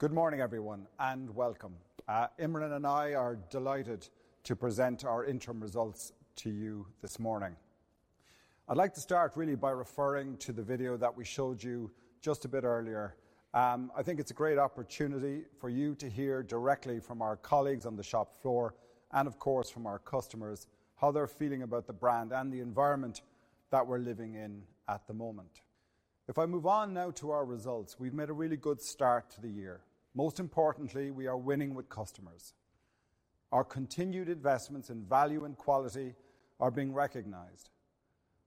Good morning, everyone, and welcome. Imran and I are delighted to present our interim results to you this morning. I'd like to start really by referring to the video that we showed you just a bit earlier. I think it's a great opportunity for you to hear directly from our colleagues on the shop floor and, of course, from our customers, how they're feeling about the brand and the environment that we're living in at the moment. If I move on now to our results, we've made a really good start to the year. Most importantly, we are winning with customers. Our continued investments in value and quality are being recognized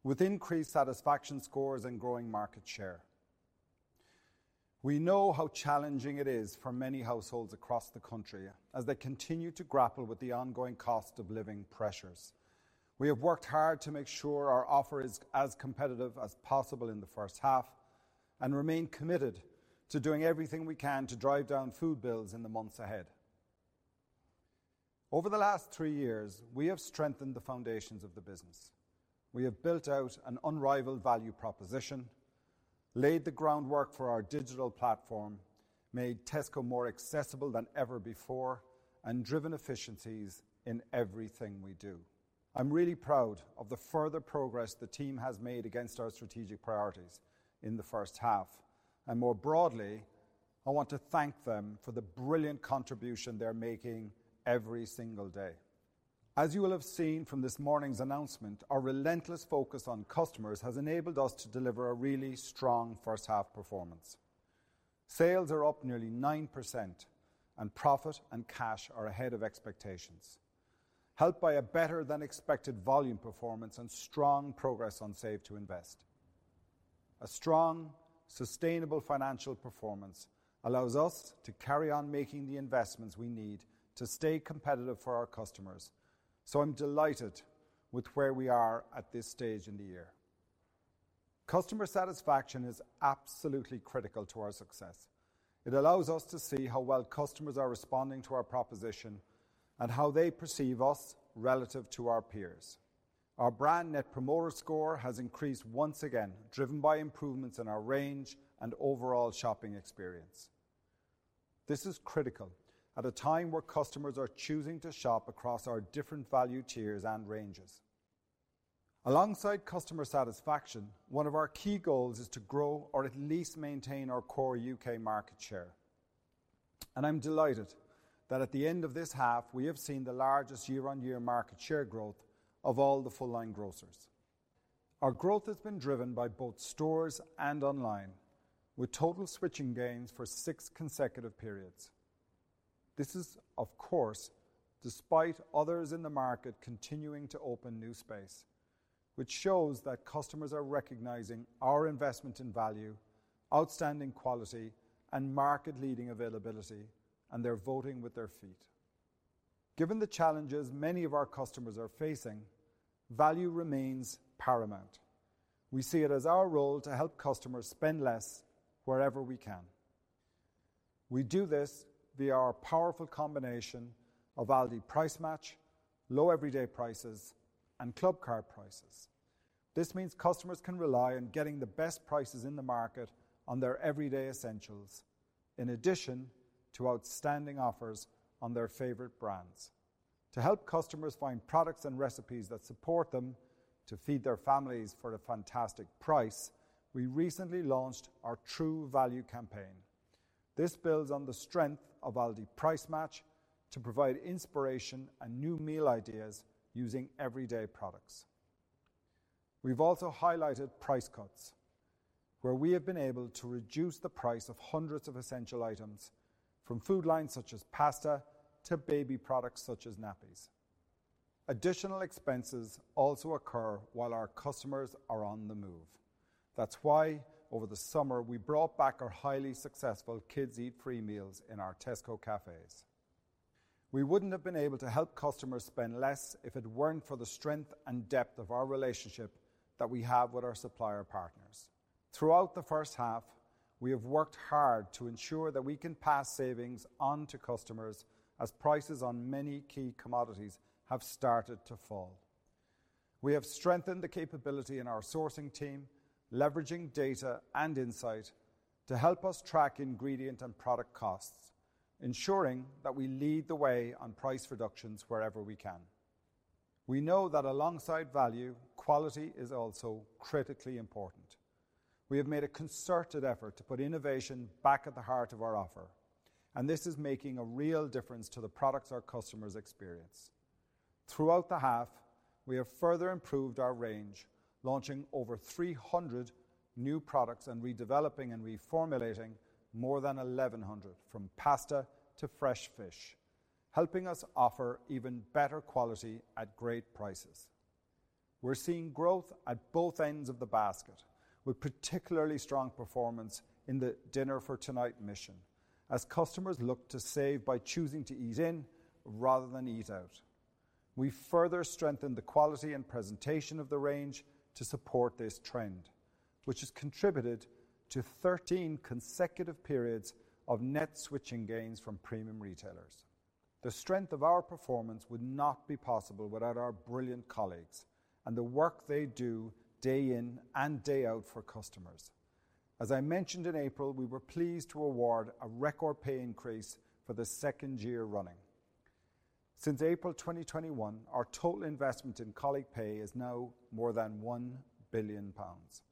with increased satisfaction scores and growing market share. We know how challenging it is for many households across the country as they continue to grapple with the ongoing cost of living pressures. We have worked hard to make sure our offer is as competitive as possible in the first half and remain committed to doing everything we can to drive down food bills in the months ahead. Over the last three years, we have strengthened the foundations of the business. We have built out an unrivaled value proposition, laid the groundwork for our digital platform, made Tesco more accessible than ever before, and driven efficiencies in everything we do. I'm really proud of the further progress the team has made against our strategic priorities in the first half, and more broadly, I want to thank them for the brilliant contribution they're making every single day. As you will have seen from this morning's announcement, our relentless focus on customers has enabled us to deliver a really strong first-half performance. Sales are up nearly 9%, and profit and cash are ahead of expectations, helped by a better-than-expected volume performance and strong progress on Save to Invest. A strong, sustainable financial performance allows us to carry on making the investments we need to stay competitive for our customers, so I'm delighted with where we are at this stage in the year. Customer satisfaction is absolutely critical to our success. It allows us to see how well customers are responding to our proposition and how they perceive us relative to our peers. Our brand Net Promoter Score has increased once again, driven by improvements in our range and overall shopping experience. This is critical at a time where customers are choosing to shop across our different value tiers and ranges. Alongside customer satisfaction, one of our key goals is to grow or at least maintain our core U.K. market share, and I'm delighted that at the end of this half, we have seen the largest year-on-year market share growth of all the full-line grocers. Our growth has been driven by both stores and online, with total switching gains for six consecutive periods. This is, of course, despite others in the market continuing to open new space, which shows that customers are recognizing our investment in value, outstanding quality, and market-leading availability, and they're voting with their feet. Given the challenges many of our customers are facing, value remains paramount. We see it as our role to help customers spend less wherever we can. We do this via our powerful combination of Aldi Price Match, low everyday prices, and Clubcard Prices. This means customers can rely on getting the best prices in the market on their everyday essentials, in addition to outstanding offers on their favorite brands. To help customers find products and recipes that support them to feed their families for a fantastic price, we recently launched our True Value campaign. This builds on the strength of Aldi Price Match to provide inspiration and new meal ideas using everyday products. We've also highlighted price cuts, where we have been able to reduce the price of hundreds of essential items, from food lines such as pasta to baby products such as nappies. Additional expenses also occur while our customers are on the move. That's why, over the summer, we brought back our highly successful Kids Eat Free meals in our Tesco cafes. We wouldn't have been able to help customers spend less if it weren't for the strength and depth of our relationship that we have with our supplier partners. Throughout the first half, we have worked hard to ensure that we can pass savings on to customers as prices on many key commodities have started to fall. We have strengthened the capability in our sourcing team, leveraging data and insight to help us track ingredient and product costs, ensuring that we lead the way on price reductions wherever we can. We know that alongside value, quality is also critically important. We have made a concerted effort to put innovation back at the heart of our offer, and this is making a real difference to the products our customers experience. Throughout the half, we have further improved our range, launching over 300 new products and redeveloping and reformulating more than 1,100, from pasta to fresh fish, helping us offer even better quality at great prices. We're seeing growth at both ends of the basket, with particularly strong performance in the Dinner for Tonight mission, as customers look to save by choosing to eat in rather than eat out. We further strengthened the quality and presentation of the range to support this trend, which has contributed to 13 consecutive periods of net switching gains from premium retailers.... The strength of our performance would not be possible without our brilliant colleagues and the work they do day in and day out for customers. As I mentioned in April, we were pleased to award a record pay increase for the second year running. Since April 2021, our total investment in colleague pay is now more than 1 billion pounds.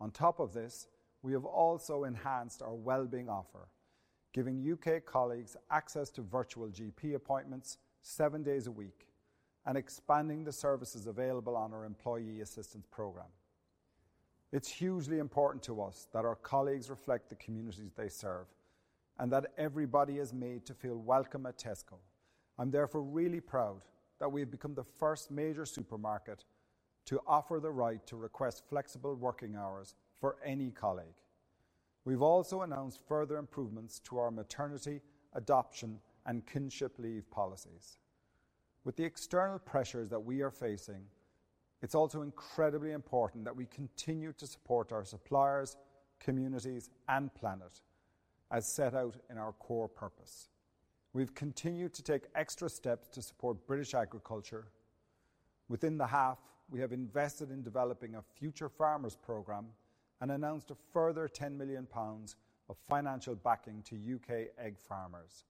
On top of this, we have also enhanced our well-being offer, giving U.K. colleagues access to virtual GP appointments seven days a week and expanding the services available on our employee assistance program. It's hugely important to us that our colleagues reflect the communities they serve and that everybody is made to feel welcome at Tesco. I'm therefore really proud that we have become the first major supermarket to offer the right to request flexible working hours for any colleague. We've also announced further improvements to our maternity, adoption, and kinship leave policies. With the external pressures that we are facing, it's also incredibly important that we continue to support our suppliers, communities, and planet as set out in our core purpose. We've continued to take extra steps to support British agriculture. Within the half, we have invested in developing a Future Farmers program and announced a further 10 million pounds of financial backing to U.K. egg farmers.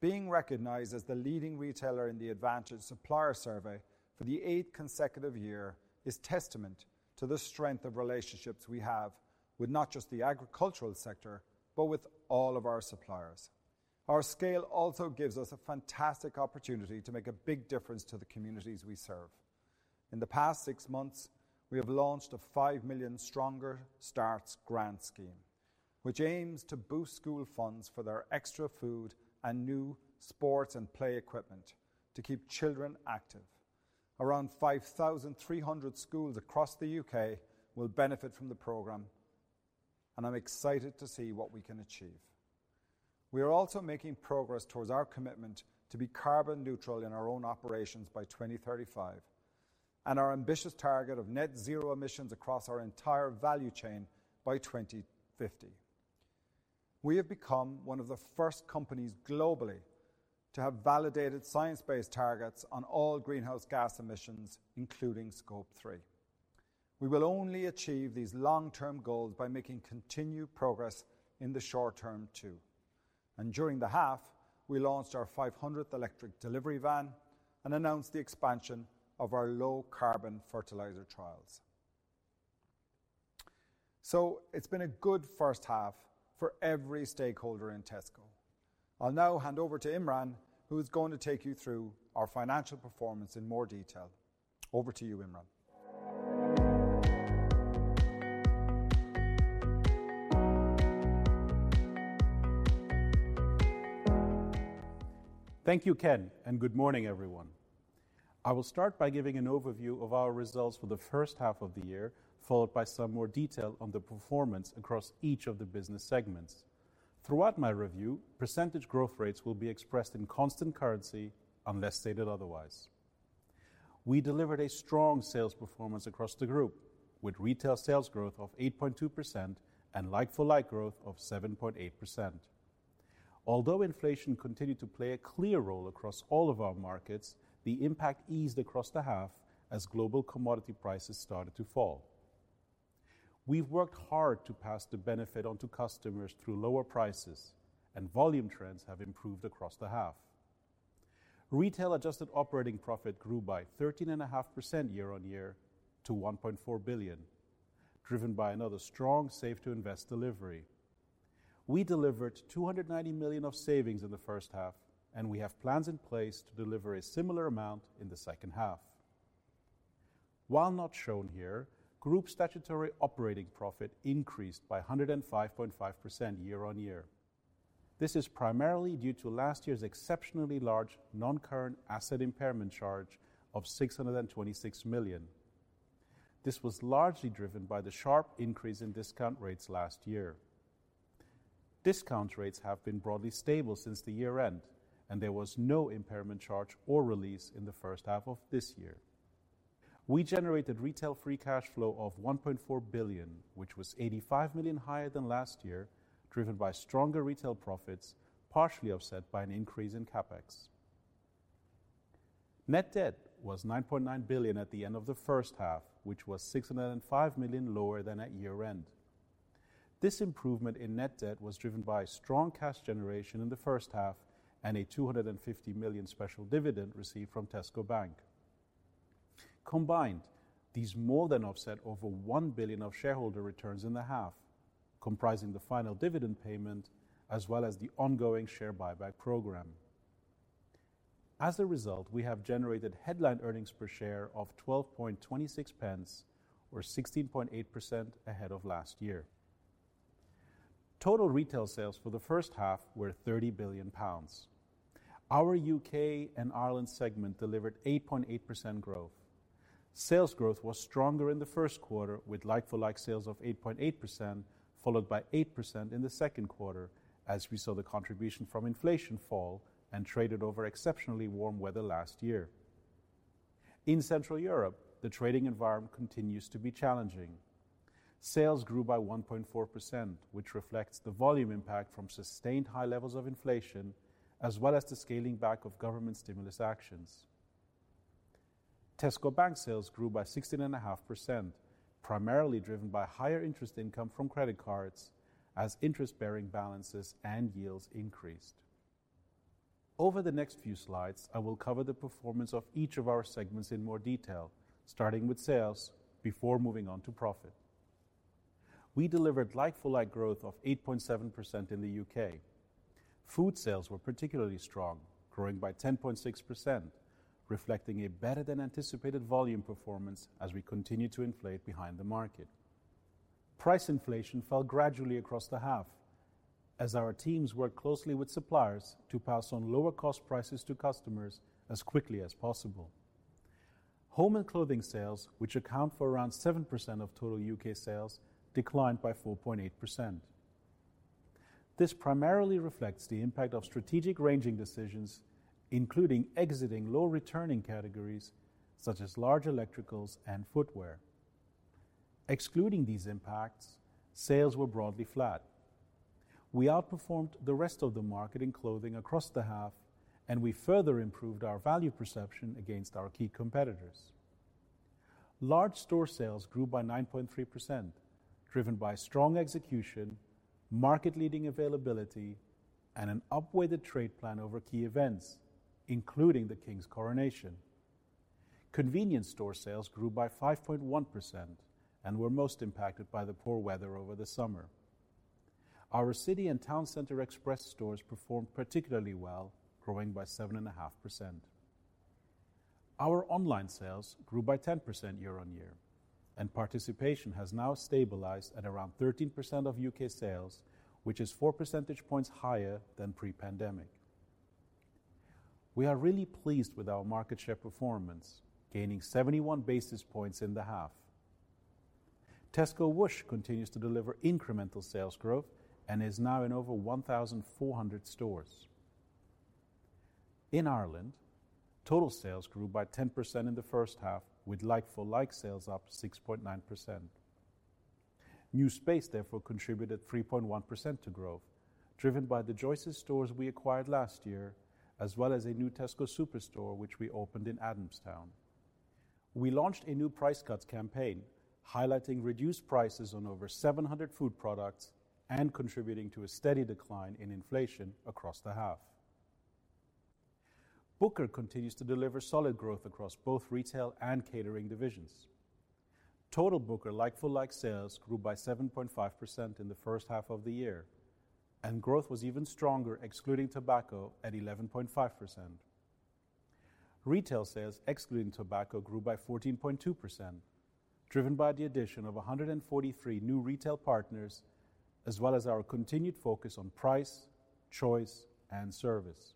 Being recognized as the leading retailer in the Advantage Supplier Survey for the eighth consecutive year is testament to the strength of relationships we have with not just the agricultural sector, but with all of our suppliers. Our scale also gives us a fantastic opportunity to make a big difference to the communities we serve. In the past six months, we have launched a 5 million Stronger Starts grant scheme, which aims to boost school funds for their extra food and new sports and play equipment to keep children active. Around 5,300 schools across the U.K. will benefit from the program, and I'm excited to see what we can achieve. We are also making progress towards our commitment to be carbon neutral in our own operations by 2035, and our ambitious target of net zero emissions across our entire value chain by 2050. We have become one of the first companies globally to have validated Science-Based Targets on all greenhouse gas emissions, including Scope 3. We will only achieve these long-term goals by making continued progress in the short term, too. And during the half, we launched our 500th electric delivery van and announced the expansion of our low-carbon fertilizer trials. So it's been a good first half for every stakeholder in Tesco. I'll now hand over to Imran, who is going to take you through our financial performance in more detail. Over to you, Imran. Thank you, Ken, and good morning, everyone. I will start by giving an overview of our results for the first half of the year, followed by some more detail on the performance across each of the business segments. Throughout my review, percentage growth rates will be expressed in constant currency, unless stated otherwise. We delivered a strong sales performance across the group, with retail sales growth of 8.2% and like-for-like growth of 7.8%. Although inflation continued to play a clear role across all of our markets, the impact eased across the half as global commodity prices started to fall. We've worked hard to pass the benefit on to customers through lower prices, and volume trends have improved across the half. Retail Adjusted Operating Profit grew by 13.5% year-on-year to 1.4 billion, driven by another strong Save to Invest delivery. We delivered 290 million of savings in the first half, and we have plans in place to deliver a similar amount in the second half. While not shown here, group statutory operating profit increased by 105.5% year-on-year. This is primarily due to last year's exceptionally large non-current asset impairment charge of 626 million. This was largely driven by the sharp increase in discount rates last year. Discount rates have been broadly stable since the year-end, and there was no impairment charge or release in the first half of this year. We generated retail free cash flow of 1.4 billion, which was 85 million higher than last year, driven by stronger retail profits, partially offset by an increase in CapEx. Net debt was 9.9 billion at the end of the first half, which was 605 million lower than at year-end. This improvement in net debt was driven by strong cash generation in the first half and a 250 million special dividend received from Tesco Bank. Combined, these more than offset over 1 billion of shareholder returns in the half, comprising the final dividend payment as well as the ongoing share buyback program. As a result, we have generated headline earnings per share of 0.1226 or 16.8% ahead of last year. Total retail sales for the first half were 30 billion pounds. Our U.K. and Ireland segment delivered 8.8% growth. Sales growth was stronger in the first quarter, with Like-for-Like Sales of 8.8%, followed by 8% in the second quarter, as we saw the contribution from inflation fall and traded over exceptionally warm weather last year. In Central Europe, the trading environment continues to be challenging. Sales grew by 1.4%, which reflects the volume impact from sustained high levels of inflation, as well as the scaling back of government stimulus actions. Tesco Bank sales grew by 16.5%, primarily driven by higher interest income from credit cards as interest-bearing balances and yields increased. Over the next few slides, I will cover the performance of each of our segments in more detail, starting with sales before moving on to profit. We delivered like-for-like growth of 8.7% in the U.K. Food sales were particularly strong, growing by 10.6%, reflecting a better than anticipated volume performance as we continue to inflate behind the market. Price inflation fell gradually across the half as our teams worked closely with suppliers to pass on lower cost prices to customers as quickly as possible. Home and clothing sales, which account for around 7% of total U.K. sales, declined by 4.8%. This primarily reflects the impact of strategic ranging decisions, including exiting low returning categories such as large electricals and footwear. Excluding these impacts, sales were broadly flat. We outperformed the rest of the market in clothing across the half, and we further improved our value perception against our key competitors. Large store sales grew by 9.3%, driven by strong execution, market-leading availability, and an upweighted trade plan over key events, including the King's Coronation. Convenience store sales grew by 5.1% and were most impacted by the poor weather over the summer. Our city and town center express stores performed particularly well, growing by 7.5%. Our online sales grew by 10% year-on-year, and participation has now stabilized at around 13% of U.K. sales, which is 4 percentage points higher than pre-pandemic. We are really pleased with our market share performance, gaining 71 basis points in the half. Tesco Whoosh continues to deliver incremental sales growth and is now in over 1,400 stores. In Ireland, total sales grew by 10% in the first half, with like-for-like sales up 6.9%. New space therefore contributed 3.1% to growth, driven by the Joyce's stores we acquired last year, as well as a new Tesco Superstore, which we opened in Adamstown. We launched a new price cuts campaign, highlighting reduced prices on over 700 food products and contributing to a steady decline in inflation across the half. Booker continues to deliver solid growth across both retail and catering divisions. Total Booker like-for-like sales grew by 7.5% in the first half of the year, and growth was even stronger, excluding tobacco at 11.5%. Retail sales, excluding tobacco, grew by 14.2%, driven by the addition of 143 new retail partners, as well as our continued focus on price, choice, and service.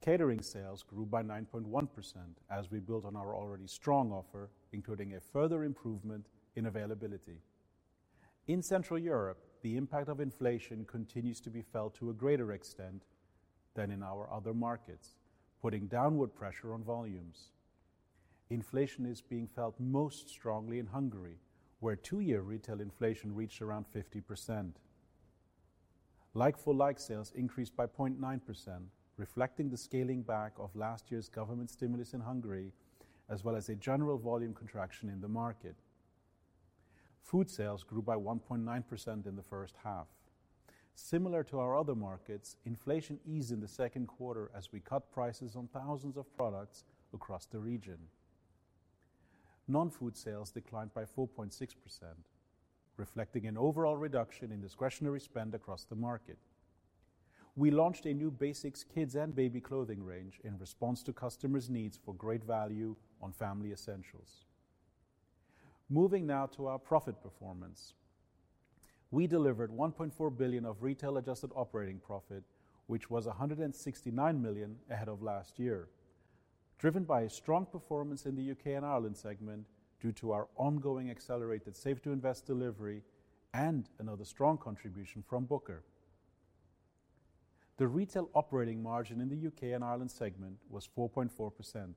Catering sales grew by 9.1% as we built on our already strong offer, including a further improvement in availability. In Central Europe, the impact of inflation continues to be felt to a greater extent than in our other markets, putting downward pressure on volumes. Inflation is being felt most strongly in Hungary, where two-year retail inflation reached around 50%. Like-for-like sales increased by 0.9%, reflecting the scaling back of last year's government stimulus in Hungary, as well as a general volume contraction in the market. Food sales grew by 1.9% in the first half. Similar to our other markets, inflation eased in the second quarter as we cut prices on thousands of products across the region. Non-food sales declined by 4.6%, reflecting an overall reduction in discretionary spend across the market. We launched a new basics kids and baby clothing range in response to customers' needs for great value on family essentials. Moving now to our profit performance. We delivered 1.4 billion of Retail Adjusted Operating Profit, which was 169 million ahead of last year, driven by a strong performance in the U.K. and Ireland segment due to our ongoing accelerated Save to Invest delivery and another strong contribution from Booker. The retail operating margin in the U.K. and Ireland segment was 4.4%,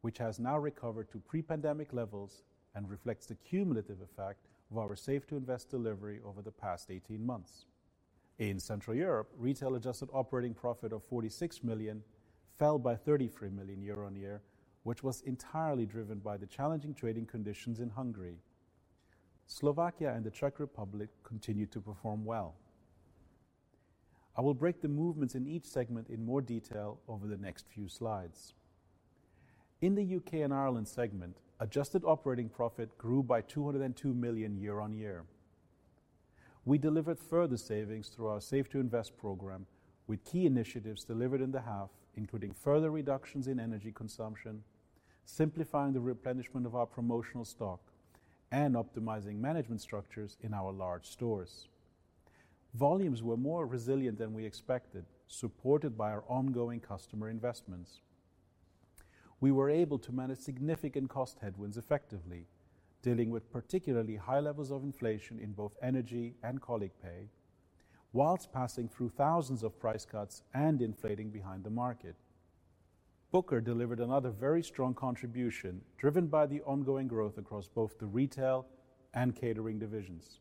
which has now recovered to pre-pandemic levels and reflects the cumulative effect of our Save to Invest delivery over the past 18 months. In Central Europe, Retail Adjusted Operating Profit of 46 million fell by 33 million year-over-year, which was entirely driven by the challenging trading conditions in Hungary. Slovakia and the Czech Republic continued to perform well. I will break the movements in each segment in more detail over the next few slides. In the U.K. and Ireland segment, adjusted operating profit grew by 202 million year-over-year. We delivered further savings through our Save to Invest program, with key initiatives delivered in the half, including further reductions in energy consumption, simplifying the replenishment of our promotional stock, and optimizing management structures in our large stores. Volumes were more resilient than we expected, supported by our ongoing customer investments. We were able to manage significant cost headwinds effectively, dealing with particularly high levels of inflation in both energy and colleague pay... whilst passing through thousands of price cuts and inflating behind the market. Booker delivered another very strong contribution, driven by the ongoing growth across both the retail and catering divisions.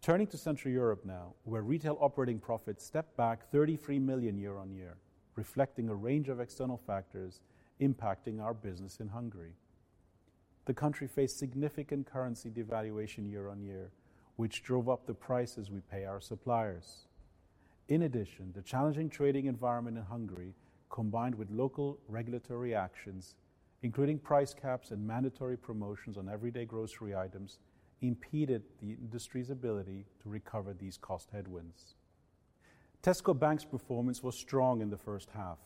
Turning to Central Europe now, where retail operating profits stepped back 33 million year-on-year, reflecting a range of external factors impacting our business in Hungary. The country faced significant currency devaluation year-on-year, which drove up the prices we pay our suppliers. In addition, the challenging trading environment in Hungary, combined with local regulatory actions, including price caps and mandatory promotions on everyday grocery items, impeded the industry's ability to recover these cost headwinds. Tesco Bank's performance was strong in the first half.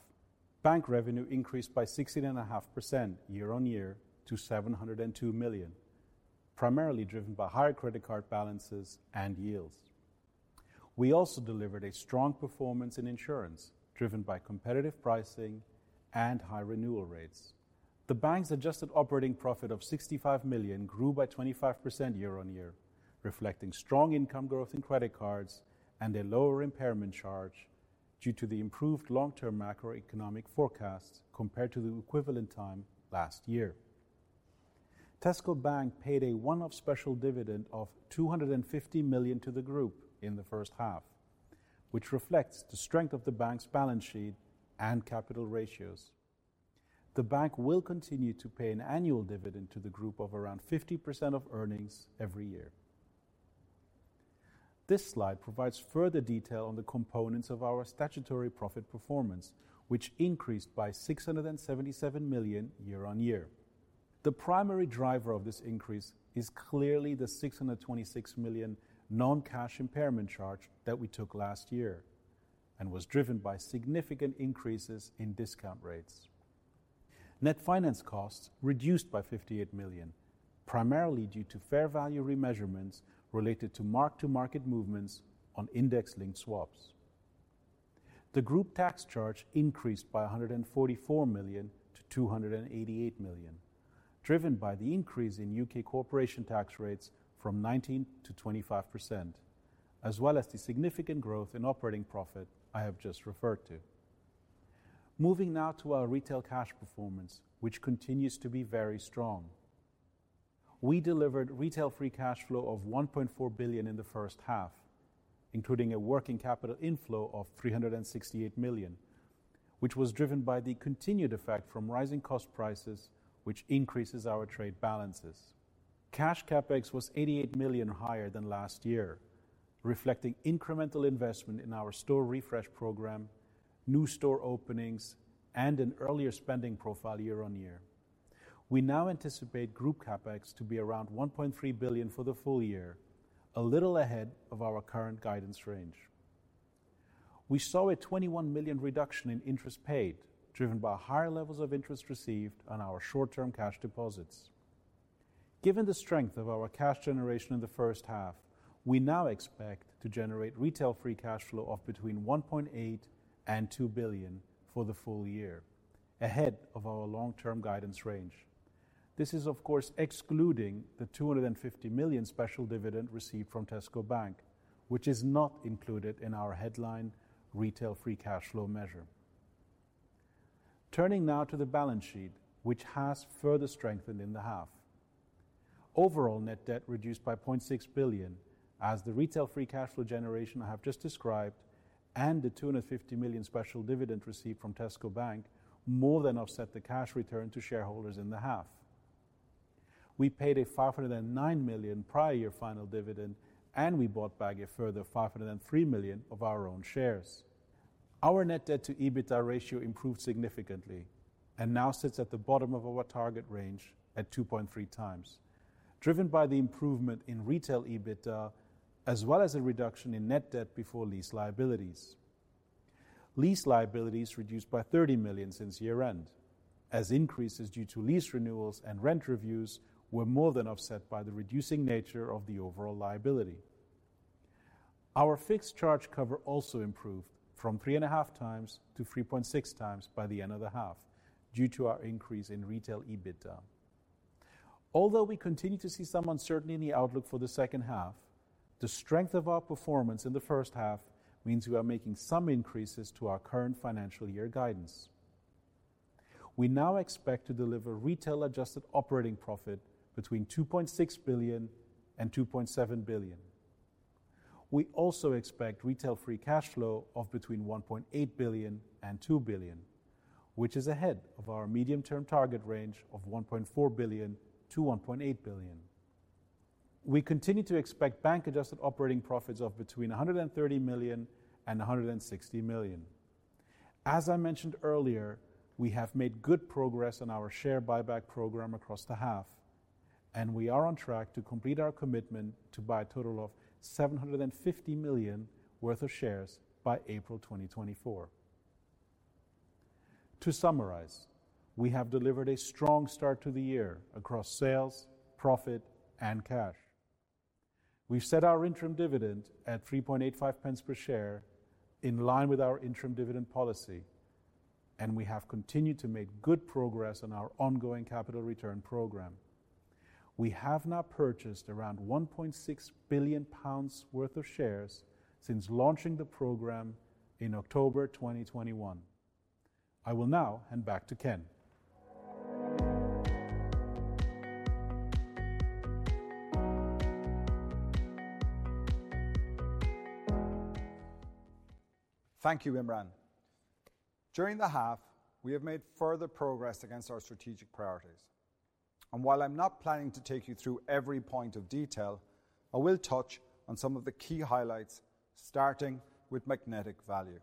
Bank revenue increased by 16.5% year-on-year to 702 million, primarily driven by higher credit card balances and yields. We also delivered a strong performance in insurance, driven by competitive pricing and high renewal rates. The bank's adjusted operating profit of 65 million grew by 25% year-on-year, reflecting strong income growth in credit cards and a lower impairment charge due to the improved long-term macroeconomic forecasts compared to the equivalent time last year. Tesco Bank paid a one-off special dividend of 250 million to the group in the first half, which reflects the strength of the bank's balance sheet and capital ratios. The bank will continue to pay an annual dividend to the group of around 50% of earnings every year. This slide provides further detail on the components of our statutory profit performance, which increased by 677 million year-on-year. The primary driver of this increase is clearly the 626 million non-cash impairment charge that we took last year and was driven by significant increases in discount rates. Net finance costs reduced by 58 million, primarily due to fair value remeasurements related to mark-to-market movements on index-linked swaps. The group tax charge increased by 144 million to 288 million, driven by the increase in U.K. corporation tax rates from 19% to 25%, as well as the significant growth in operating profit I have just referred to. Moving now to our retail cash performance, which continues to be very strong. We delivered retail free cash flow of 1.4 billion in the first half, including a working capital inflow of 368 million, which was driven by the continued effect from rising cost prices, which increases our trade balances. Cash CapEx was 88 million higher than last year, reflecting incremental investment in our store refresh program, new store openings, and an earlier spending profile year on year. We now anticipate group CapEx to be around 1.3 billion for the full year, a little ahead of our current guidance range. We saw a 21 million reduction in interest paid, driven by higher levels of interest received on our short-term cash deposits. Given the strength of our cash generation in the first half, we now expect to generate retail free cash flow of between 1.8 billion and 2 billion for the full year, ahead of our long-term guidance range. This is, of course, excluding the 250 million special dividend received from Tesco Bank, which is not included in our headline retail free cash flow measure. Turning now to the balance sheet, which has further strengthened in the half. Overall net debt reduced by 0.6 billion as the retail free cash flow generation I have just described, and the 250 million special dividend received from Tesco Bank more than offset the cash return to shareholders in the half. We paid a 509 million prior year final dividend, and we bought back a further 503 million of our own shares. Our net debt to EBITDA ratio improved significantly and now sits at the bottom of our target range at 2.3x, driven by the improvement in retail EBITDA, as well as a reduction in net debt before lease liabilities. Lease liabilities reduced by 30 million since year-end, as increases due to lease renewals and rent reviews were more than offset by the reducing nature of the overall liability. Our Fixed Charge Cover also improved from 3.5x to 3.6x by the end of the half due to our increase in Retail EBITDA. Although we continue to see some uncertainty in the outlook for the second half, the strength of our performance in the first half means we are making some increases to our current financial year guidance. We now expect to deliver Retail Adjusted Operating Profit between 2.6 billion and 2.7 billion. We also expect Retail Free Cash Flow of between 1.8 billion and 2 billion, which is ahead of our medium-term target range of 1.4 billion-1.8 billion. We continue to expect Bank-Adjusted Operating Profits of between 130 million and 160 million. As I mentioned earlier, we have made good progress on our share buyback program across the half, and we are on track to complete our commitment to buy a total of 750 million worth of shares by April 2024. To summarize, we have delivered a strong start to the year across sales, profit, and cash. We've set our interim dividend at 3.85 pence per share, in line with our interim dividend policy, and we have continued to make good progress on our ongoing capital return program. We have now purchased around 1.6 billion pounds worth of shares since launching the program in October 2021. I will now hand back to Ken. Thank you, Imran. During the half, we have made further progress against our strategic priorities, and while I'm not planning to take you through every point of detail, I will touch on some of the key highlights, starting with Magnetic Value.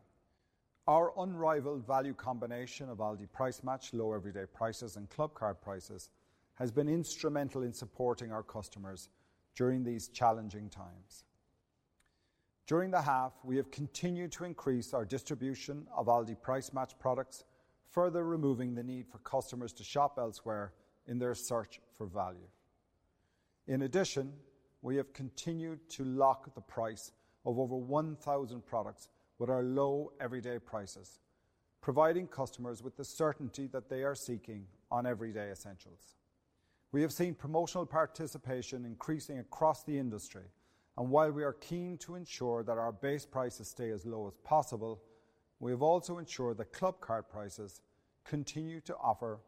Our unrivaled value combination of Aldi Price Match, low everyday prices, and Clubcard Prices has been instrumental in supporting our customers during these challenging times. During the half, we have continued to increase our distribution of Aldi Price Match products, further removing the need for customers to shop elsewhere in their search for value. In addition, we have continued to lock the price of over 1,000 products with our low everyday prices, providing customers with the certainty that they are seeking on everyday essentials. We have seen promotional participation increasing across the industry, and while we are keen to ensure that our base prices stay as low as possible, we have also ensured that Clubcard Prices continue to offer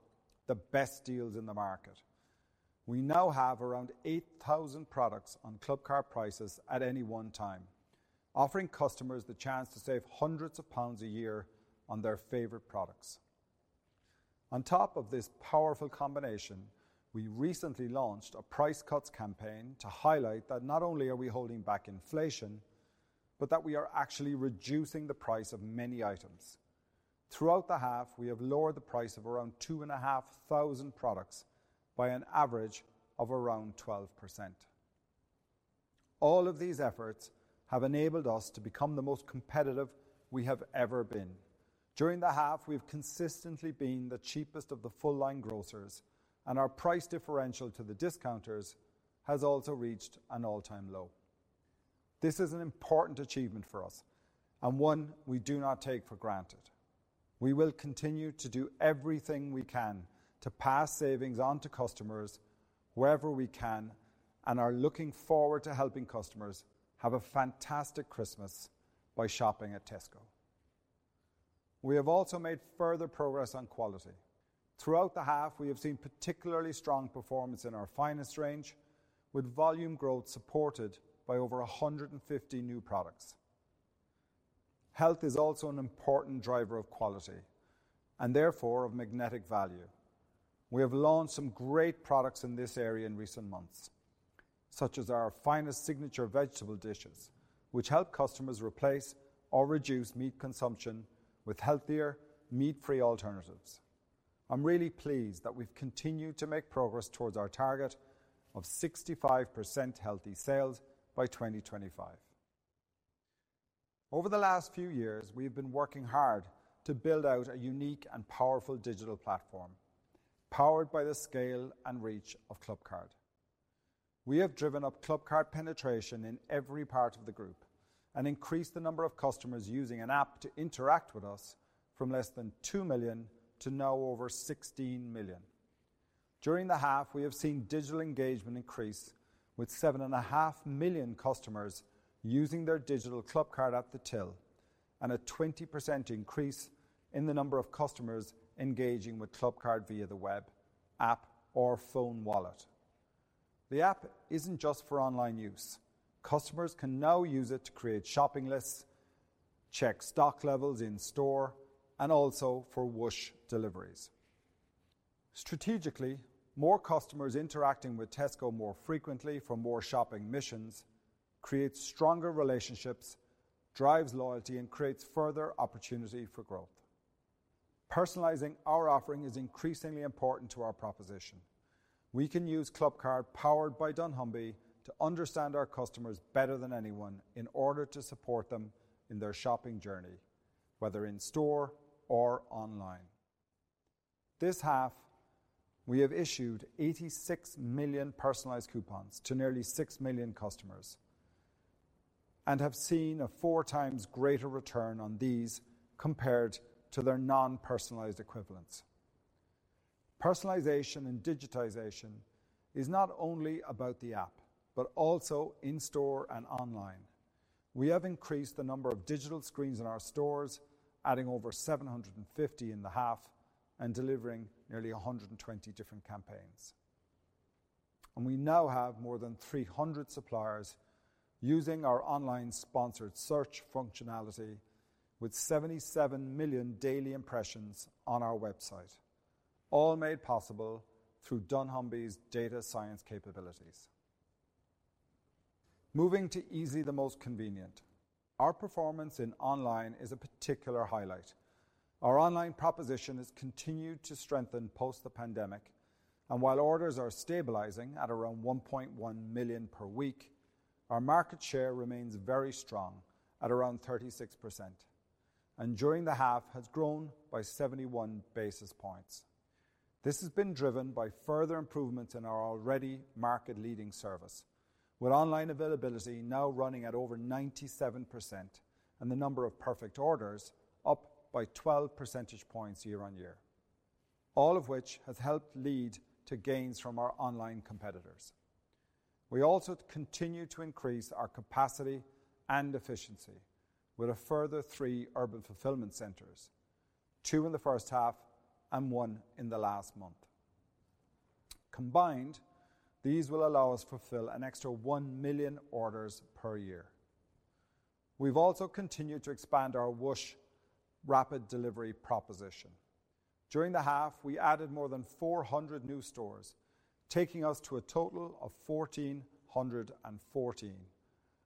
the best deals in the market. We now have around 8,000 products on Clubcard Prices at any one time, offering customers the chance to save hundreds of GBP a year on their favorite products. On top of this powerful combination, we recently launched a price cuts campaign to highlight that not only are we holding back inflation, but that we are actually reducing the price of many items. Throughout the half, we have lowered the price of around 2,500 products by an average of around 12%. All of these efforts have enabled us to become the most competitive we have ever been. During the half, we've consistently been the cheapest of the full-line grocers, and our price differential to the discounters has also reached an all-time low. This is an important achievement for us and one we do not take for granted. We will continue to do everything we can to pass savings on to customers wherever we can and are looking forward to helping customers have a fantastic Christmas by shopping at Tesco. We have also made further progress on quality. Throughout the half, we have seen particularly strong performance in our Finest range, with volume growth supported by over 150 new products. Health is also an important driver of quality and therefore of Magnetic Value. We have launched some great products in this area in recent months, such as our Finest Signature vegetable dishes, which help customers replace or reduce meat consumption with healthier, meat-free alternatives. I'm really pleased that we've continued to make progress towards our target of 65% healthy sales by 2025. Over the last few years, we've been working hard to build out a unique and powerful digital platform, powered by the scale and reach of Clubcard. We have driven up Clubcard penetration in every part of the group and increased the number of customers using an app to interact with us from less than 2 million to now over 16 million. During the half, we have seen digital engagement increase, with 7.5 million customers using their digital Clubcard at the till, and a 20% increase in the number of customers engaging with Clubcard via the web, app, or phone wallet. The app isn't just for online use. Customers can now use it to create shopping lists, check stock levels in store, and also for Whoosh deliveries. Strategically, more customers interacting with Tesco more frequently for more shopping missions creates stronger relationships, drives loyalty, and creates further opportunity for growth. Personalizing our offering is increasingly important to our proposition. We can use Clubcard, powered by Dunnhumby, to understand our customers better than anyone in order to support them in their shopping journey, whether in store or online. This half, we have issued 86 million personalized coupons to nearly 6 million customers and have seen a 4x greater return on these compared to their non-personalized equivalents. Personalization and digitization is not only about the app, but also in store and online. We have increased the number of digital screens in our stores, adding over 750 in the half and delivering nearly 120 different campaigns. We now have more than 300 suppliers using our online sponsored search functionality with 77 million daily impressions on our website, all made possible through Dunnhumby's data science capabilities. Moving to easily the most convenient, our performance in online is a particular highlight. Our online proposition has continued to strengthen post the pandemic, and while orders are stabilizing at around 1.1 million per week, our market share remains very strong at around 36%, and during the half, has grown by 71 basis points. This has been driven by further improvements in our already market-leading service. With online availability now running at over 97% and the number of perfect orders up by 12 percentage points year-on-year, all of which has helped lead to gains from our online competitors. We also continue to increase our capacity and efficiency with a further 3 Urban Fulfilment Centres, 2 in the first half and 1 in the last month. Combined, these will allow us to fulfill an extra 1 million orders per year. We've also continued to expand our Whoosh rapid delivery proposition. During the half, we added more than 400 new stores, taking us to a total of 1,414,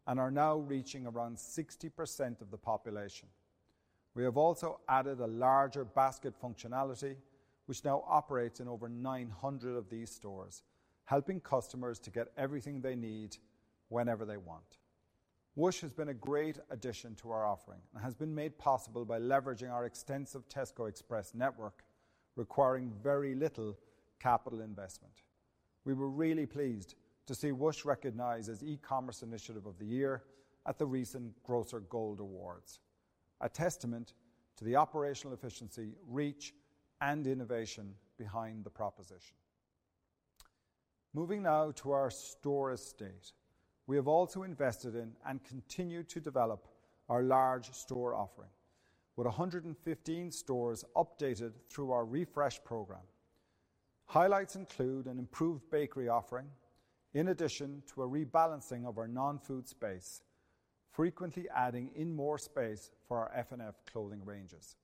and are now reaching around 60% of the population. We have also added a larger basket functionality, which now operates in over 900 of these stores, helping customers to get everything they need whenever they want. Whoosh has been a great addition to our offering and has been made possible by leveraging our extensive Tesco Express network, requiring very little capital investment. We were really pleased to see Whoosh recognized as E-commerce Initiative of the Year at the recent Grocer Gold Awards, a testament to the operational efficiency, reach, and innovation behind the proposition. Moving now to our store estate. We have also invested in and continue to develop our large store offering, with 115 stores updated through our refresh program. Highlights include an improved bakery offering, in addition to a rebalancing of our non-food space, frequently adding in more space for our F&F clothing ranges.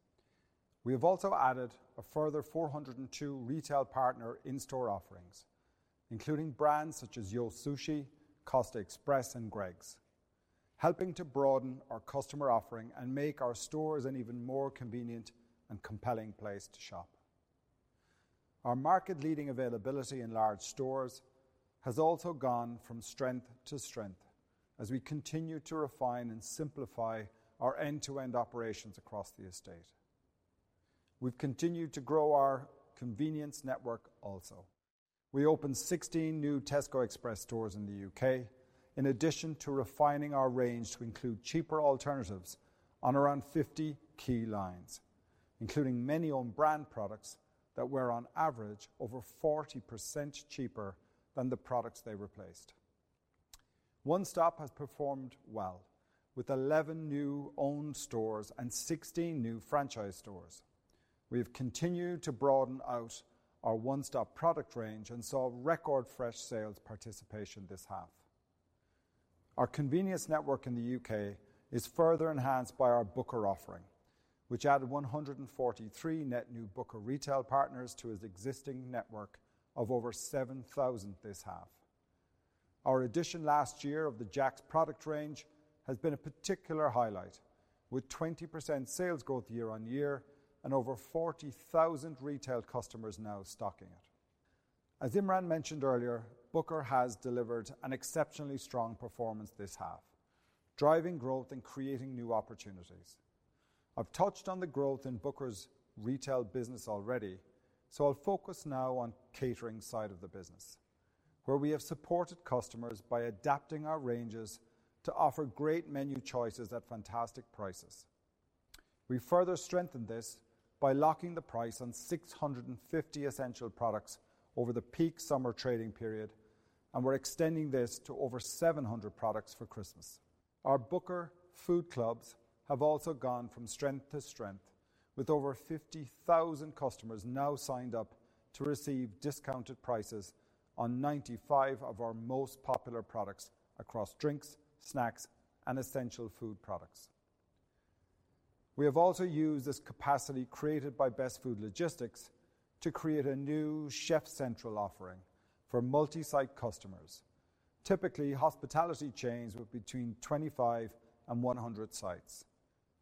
We have also added a further 402 retail partner in-store offerings, including brands such as YO! Sushi, Costa Express, and Greggs, helping to broaden our customer offering and make our stores an even more convenient and compelling place to shop. Our market-leading availability in large stores has also gone from strength to strength as we continue to refine and simplify our end-to-end operations across the estate. We've continued to grow our convenience network also. We opened 16 new Tesco Express stores in the U.K., in addition to refining our range to include cheaper alternatives on around 50 key lines, including many own brand products that were on average, over 40% cheaper than the products they replaced. One Stop has performed well, with 11 new owned stores and 16 new franchise stores. We have continued to broaden out our One Stop product range and saw record fresh sales participation this half. Our convenience network in the U.K. is further enhanced by our Booker offering, which added 143 net new Booker retail partners to its existing network of over 7,000 this half. Our addition last year of the Jack's product range has been a particular highlight, with 20% sales growth year-over-year and over 40,000 retail customers now stocking it. As Imran mentioned earlier, Booker has delivered an exceptionally strong performance this half, driving growth and creating new opportunities. I've touched on the growth in Booker's retail business already, so I'll focus now on catering side of the business, where we have supported customers by adapting our ranges to offer great menu choices at fantastic prices. We further strengthened this by locking the price on 650 essential products over the peak summer trading period, and we're extending this to over 700 products for Christmas. Our Booker Food Clubs have also gone from strength to strength, with over 50,000 customers now signed up to receive discounted prices on 95 of our most popular products across drinks, snacks, and essential food products. We have also used this capacity created by Best Food Logistics to create a new Chef Central offering for multi-site customers, typically hospitality chains with between 25 and 100 sites.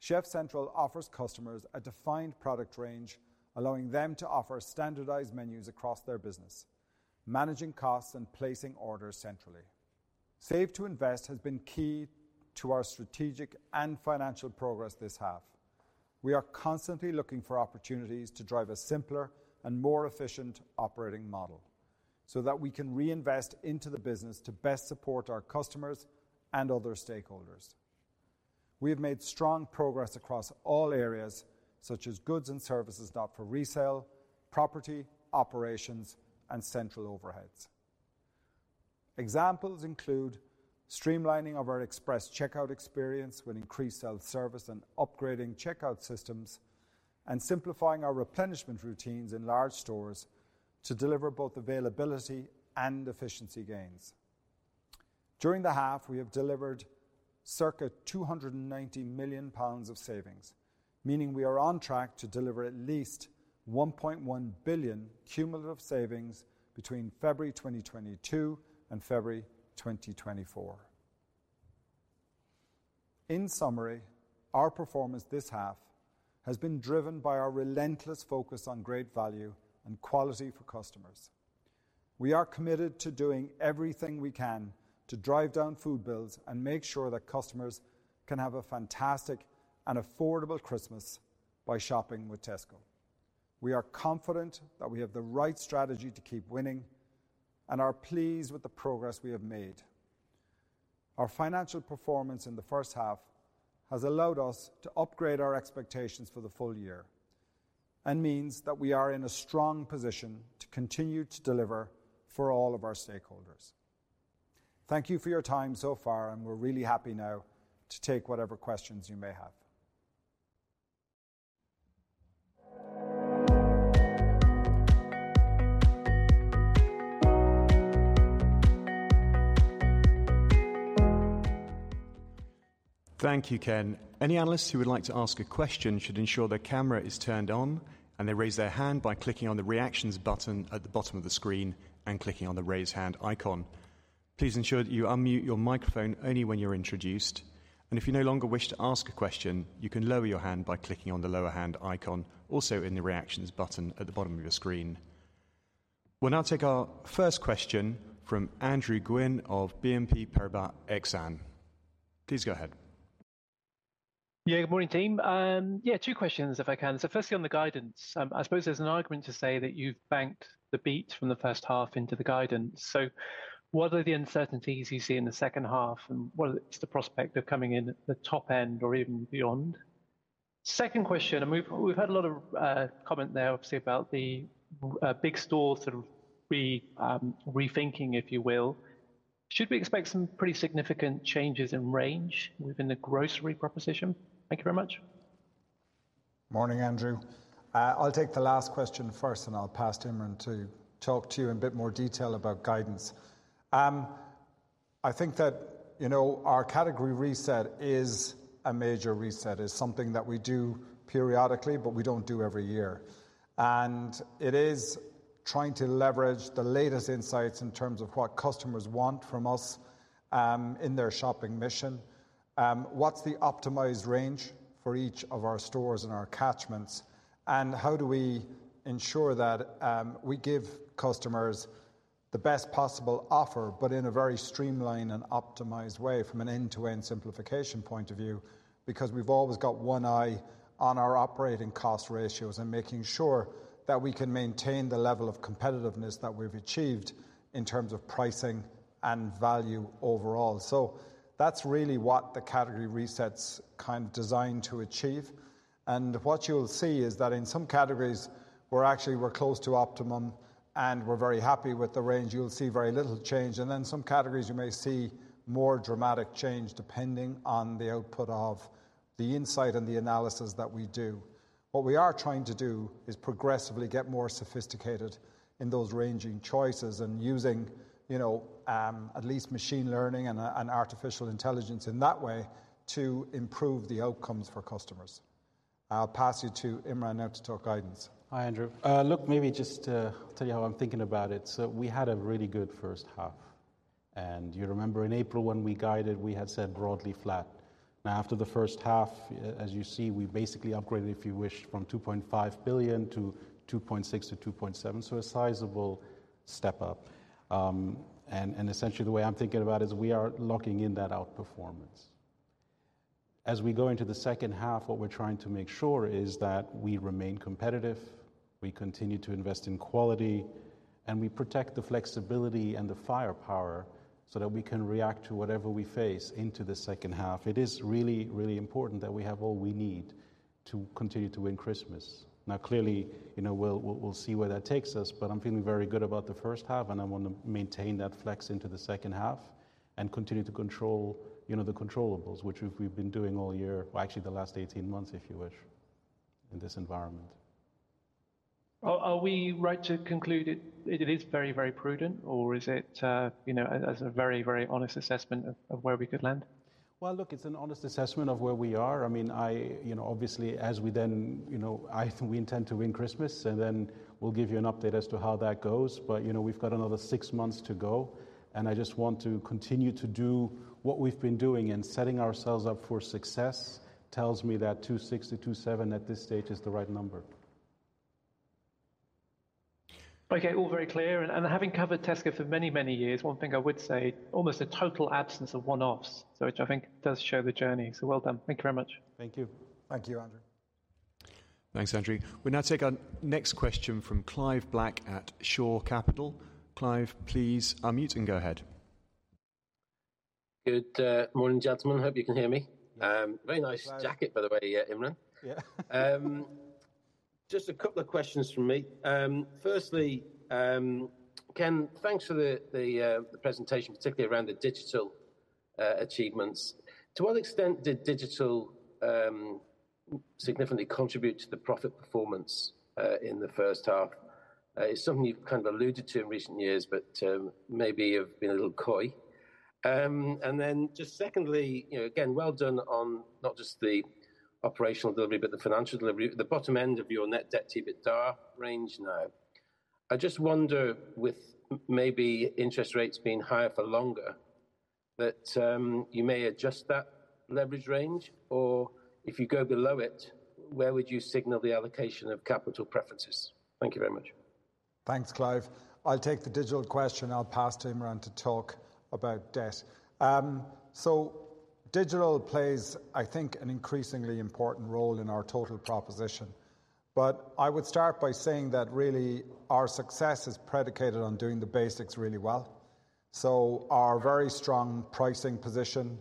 Chef Central offers customers a defined product range, allowing them to offer standardized menus across their business, managing costs and placing orders centrally. Save to Invest has been key to our strategic and financial progress this half. We are constantly looking for opportunities to drive a simpler and more efficient operating model so that we can reinvest into the business to best support our customers and other stakeholders. We have made strong progress across all areas, such as goods and services not for resale, property, operations, and central overheads. Examples include streamlining of our express checkout experience with increased self-service and upgrading checkout systems, and simplifying our replenishment routines in large stores to deliver both availability and efficiency gains. During the half, we have delivered circa 290 million pounds of savings, meaning we are on track to deliver at least 1.1 billion cumulative savings between February 2022 and February 2024. In summary, our performance this half has been driven by our relentless focus on great value and quality for customers. We are committed to doing everything we can to drive down food bills and make sure that customers can have a fantastic and affordable Christmas by shopping with Tesco.... We are confident that we have the right strategy to keep winning and are pleased with the progress we have made. Our financial performance in the first half has allowed us to upgrade our expectations for the full year and means that we are in a strong position to continue to deliver for all of our stakeholders. Thank you for your time so far, and we're really happy now to take whatever questions you may have. Thank you, Ken. Any analysts who would like to ask a question should ensure their camera is turned on, and they raise their hand by clicking on the Reactions button at the bottom of the screen and clicking on the Raise Hand icon. Please ensure that you unmute your microphone only when you're introduced, and if you no longer wish to ask a question, you can lower your hand by clicking on the Lower Hand icon, also in the Reactions button at the bottom of your screen. We'll now take our first question from Andrew Gwynn of BNP Paribas Exane. Please go ahead. Yeah, good morning, team. Yeah, two questions, if I can. So firstly, on the guidance, I suppose there's an argument to say that you've banked the beat from the first half into the guidance. So what are the uncertainties you see in the second half, and what is the prospect of coming in at the top end or even beyond? Second question, and we've had a lot of comment there, obviously, about the big store sort of rethinking, if you will. Should we expect some pretty significant changes in range within the grocery proposition? Thank you very much. Morning, Andrew. I'll take the last question first, and I'll pass to Imran to talk to you in a bit more detail about guidance. I think that, you know, our category reset is a major reset. It's something that we do periodically, but we don't do every year. And it is trying to leverage the latest insights in terms of what customers want from us in their shopping mission. What's the optimized range for each of our stores and our catchments? And how do we ensure that we give customers the best possible offer, but in a very streamlined and optimized way from an end-to-end simplification point of view? Because we've always got one eye on our operating cost ratios and making sure that we can maintain the level of competitiveness that we've achieved in terms of pricing and value overall. So that's really what the category reset's kind of designed to achieve. And what you'll see is that in some categories, we're actually, we're close to optimum, and we're very happy with the range. You'll see very little change, and then some categories you may see more dramatic change, depending on the output of the insight and the analysis that we do. What we are trying to do is progressively get more sophisticated in those ranging choices and using, you know, at least machine learning and, and artificial intelligence in that way to improve the outcomes for customers. I'll pass you to Imran now to talk guidance. Hi, Andrew. Look, maybe just to tell you how I'm thinking about it. So we had a really good first half, and you remember in April when we guided, we had said broadly flat. Now, after the first half, as you see, we basically upgraded, if you wish, from 2.5 billion-2.6 billion-GBP 2.7 billion, so a sizable step up. And essentially the way I'm thinking about it is we are locking in that outperformance. As we go into the second half, what we're trying to make sure is that we remain competitive, we continue to invest in quality, and we protect the flexibility and the firepower so that we can react to whatever we face into the second half. It is really, really important that we have all we need to continue to win Christmas. Now, clearly, you know, we'll see where that takes us, but I'm feeling very good about the first half, and I want to maintain that flex into the second half and continue to control, you know, the controllables, which we've been doing all year, or actually the last eighteen months, if you wish, in this environment. Are we right to conclude it is very, very prudent, or is it, you know, as a very, very honest assessment of where we could land? Well, look, it's an honest assessment of where we are. I mean, I, you know, obviously, as we then, you know, I think we intend to win Christmas, and then we'll give you an update as to how that goes. But, you know, we've got another six months to go, and I just want to continue to do what we've been doing, and setting ourselves up for success tells me that 2.6-2.7 at this stage is the right number. Okay, all very clear, and having covered Tesco for many, many years, one thing I would say, almost a total absence of one-offs, so which I think does show the journey. So well done. Thank you very much. Thank you. Thank you, Andrew. Thanks, Andrew. We'll now take our next question from Clive Black at Shore Capital. Clive, please unmute and go ahead. Good morning, gentlemen. Hope you can hear me. Yeah. Very nice jacket, by the way, Imran. Yeah. Just a couple of questions from me. Firstly, Ken, thanks for the presentation, particularly around the digital achievements. To what extent did digital significantly contribute to the profit performance in the first half? It's something you've kind of alluded to in recent years, but maybe you've been a little coy. And then just secondly, you know, again, well done on not just the operational delivery, but the financial delivery. At the bottom end of your net debt to EBITDA range now, I just wonder, with maybe interest rates being higher for longer, that you may adjust that leverage range, or if you go below it, where would you signal the allocation of capital preferences? Thank you very much.... Thanks, Clive. I'll take the digital question, I'll pass to Imran to talk about debt. So digital plays, I think, an increasingly important role in our total proposition. But I would start by saying that really our success is predicated on doing the basics really well. So our very strong pricing position,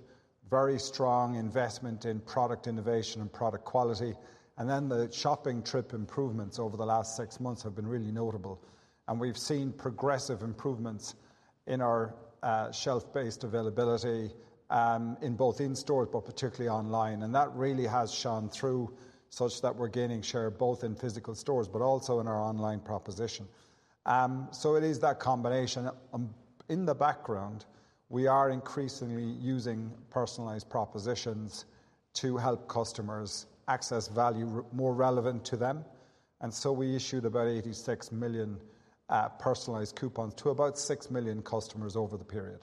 very strong investment in product innovation and product quality, and then the shopping trip improvements over the last six months have been really notable. And we've seen progressive improvements in our shelf-based availability in both in stores, but particularly online. And that really has shone through such that we're gaining share both in physical stores but also in our online proposition. So it is that combination. In the background, we are increasingly using personalized propositions to help customers access value more relevant to them. We issued about 86 million personalized coupons to about 6 million customers over the period.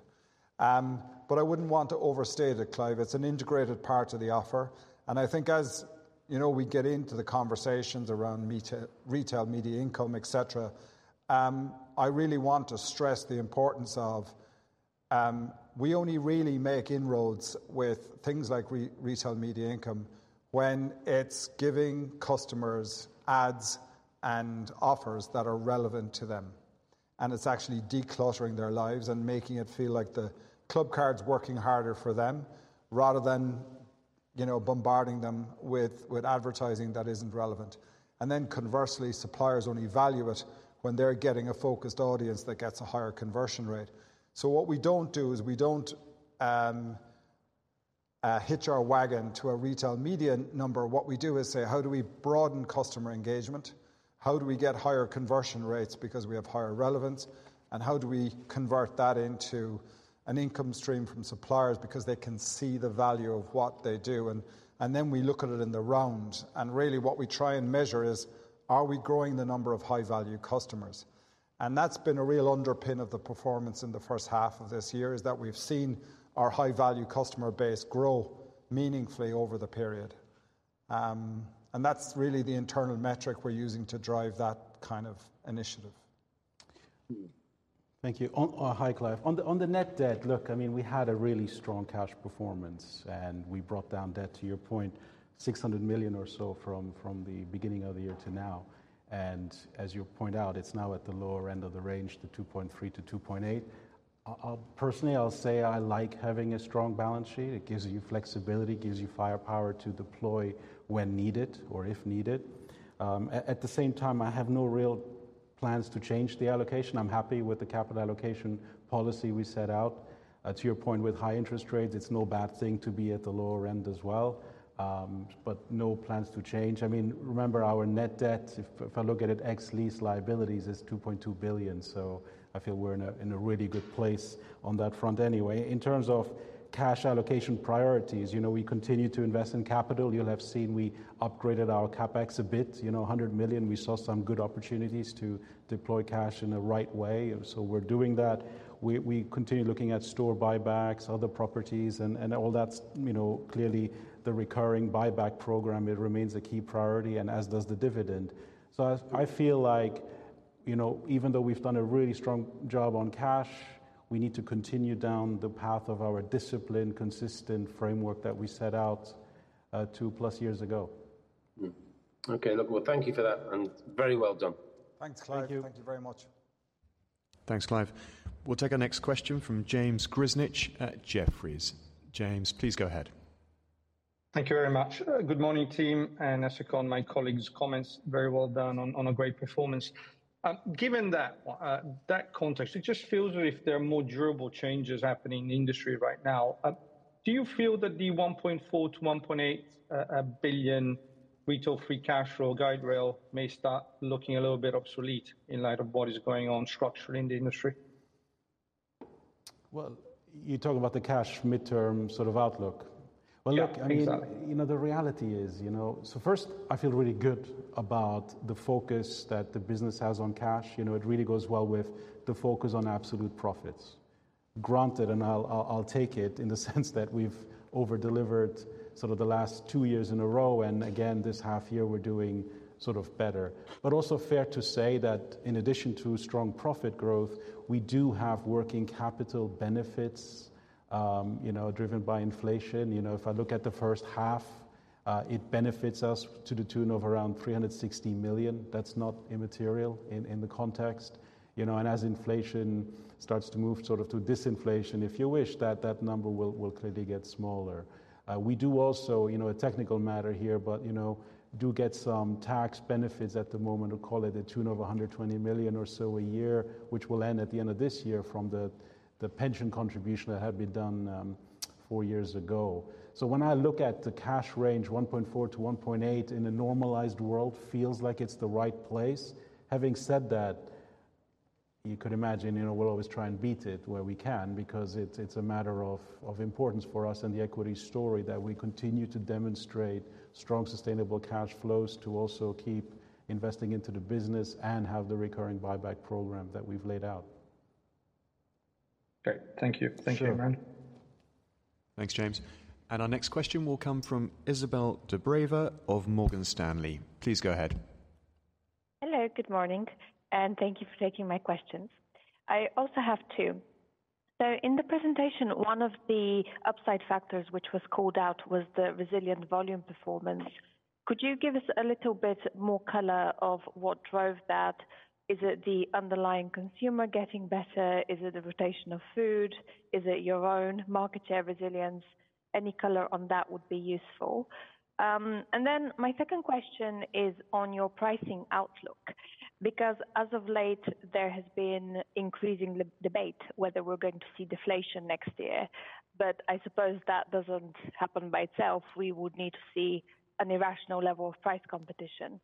But I wouldn't want to overstate it, Clive. It's an integrated part of the offer, and I think as, you know, we get into the conversations around retail media income, et cetera, I really want to stress the importance of... We only really make inroads with things like retail media income when it's giving customers ads and offers that are relevant to them, and it's actually decluttering their lives and making it feel like the Clubcard's working harder for them, rather than, you know, bombarding them with advertising that isn't relevant. And then conversely, suppliers only value it when they're getting a focused audience that gets a higher conversion rate. So what we don't do is we don't hitch our wagon to a retail media number. What we do is say: How do we broaden customer engagement? How do we get higher conversion rates because we have higher relevance? And how do we convert that into an income stream from suppliers because they can see the value of what they do? And then we look at it in the round, and really what we try and measure is: Are we growing the number of high-value customers? And that's been a real underpin of the performance in the first half of this year, is that we've seen our high-value customer base grow meaningfully over the period. And that's really the internal metric we're using to drive that kind of initiative. Thank you. Hi, Clive. On the net debt, look, I mean, we had a really strong cash performance, and we brought down debt, to your point, 600 million or so from the beginning of the year to now. And as you point out, it's now at the lower end of the range, the 2.3 billion-2.8 billion. Personally, I'll say I like having a strong balance sheet. It gives you flexibility, it gives you firepower to deploy when needed or if needed. At the same time, I have no real plans to change the allocation. I'm happy with the capital allocation policy we set out. To your point, with high interest rates, it's no bad thing to be at the lower end as well, but no plans to change. I mean, remember, our net debt, if, if I look at it, ex lease liabilities, is 2.2 billion. So I feel we're in a, in a really good place on that front anyway. In terms of cash allocation priorities, you know, we continue to invest in capital. You'll have seen we upgraded our CapEx a bit, you know, 100 million. We saw some good opportunities to deploy cash in the right way, so we're doing that. We, we continue looking at store buybacks, other properties, and, and all that's, you know, clearly the recurring buyback program, it remains a key priority and as does the dividend. So I, I feel like, you know, even though we've done a really strong job on cash, we need to continue down the path of our disciplined, consistent framework that we set out, two plus years ago. Mm. Okay, look, well, thank you for that, and very well done. Thanks, Clive. Thank you. Thank you very much. Thanks, Clive. We'll take our next question from James Grzinic at Jefferies. James, please go ahead. Thank you very much. Good morning, team, and I second my colleague's comments, very well done on a great performance. Given that context, it just feels as if there are more durable changes happening in the industry right now. Do you feel that the 1.4 billion-1.8 billion Retail Free Cash Flow guide rail may start looking a little bit obsolete in light of what is going on structurally in the industry? Well, you talk about the cash midterm sort of outlook. Yeah, exactly. Well, look, I mean, you know, the reality is, you know... So first, I feel really good about the focus that the business has on cash. You know, it really goes well with the focus on absolute profits. Granted, and I'll take it in the sense that we've over-delivered sort of the last two years in a row, and again, this half year, we're doing sort of better. But also fair to say that in addition to strong profit growth, we do have working capital benefits, you know, driven by inflation. You know, if I look at the first half, it benefits us to the tune of around 360 million. That's not immaterial in the context. You know, and as inflation starts to move sort of to disinflation, if you wish, that number will clearly get smaller. We do also, you know, a technical matter here, but, you know, do get some tax benefits at the moment. To the tune of 120 million or so a year, which will end at the end of this year from the pension contribution that had been done four years ago. So when I look at the cash range, 1.4 billion-1.8 billion in a normalized world, feels like it's the right place. Having said that, you could imagine, you know, we'll always try and beat it where we can, because it's, it's a matter of, of importance for us and the equity story that we continue to demonstrate strong, sustainable cash flows to also keep investing into the business and have the recurring buyback program that we've laid out. ... Great. Thank you. Thank you, Imran. Sure. Thanks, James. And our next question will come from Izabel Dobreva of Morgan Stanley. Please go ahead. Hello, good morning, and thank you for taking my questions. I also have two. So in the presentation, one of the upside factors, which was called out, was the resilient volume performance. Could you give us a little bit more color of what drove that? Is it the underlying consumer getting better? Is it a rotation of food? Is it your own market share resilience? Any color on that would be useful. And then my second question is on your pricing outlook, because as of late, there has been increasing debate whether we're going to see deflation next year. But I suppose that doesn't happen by itself. We would need to see an irrational level of price competition.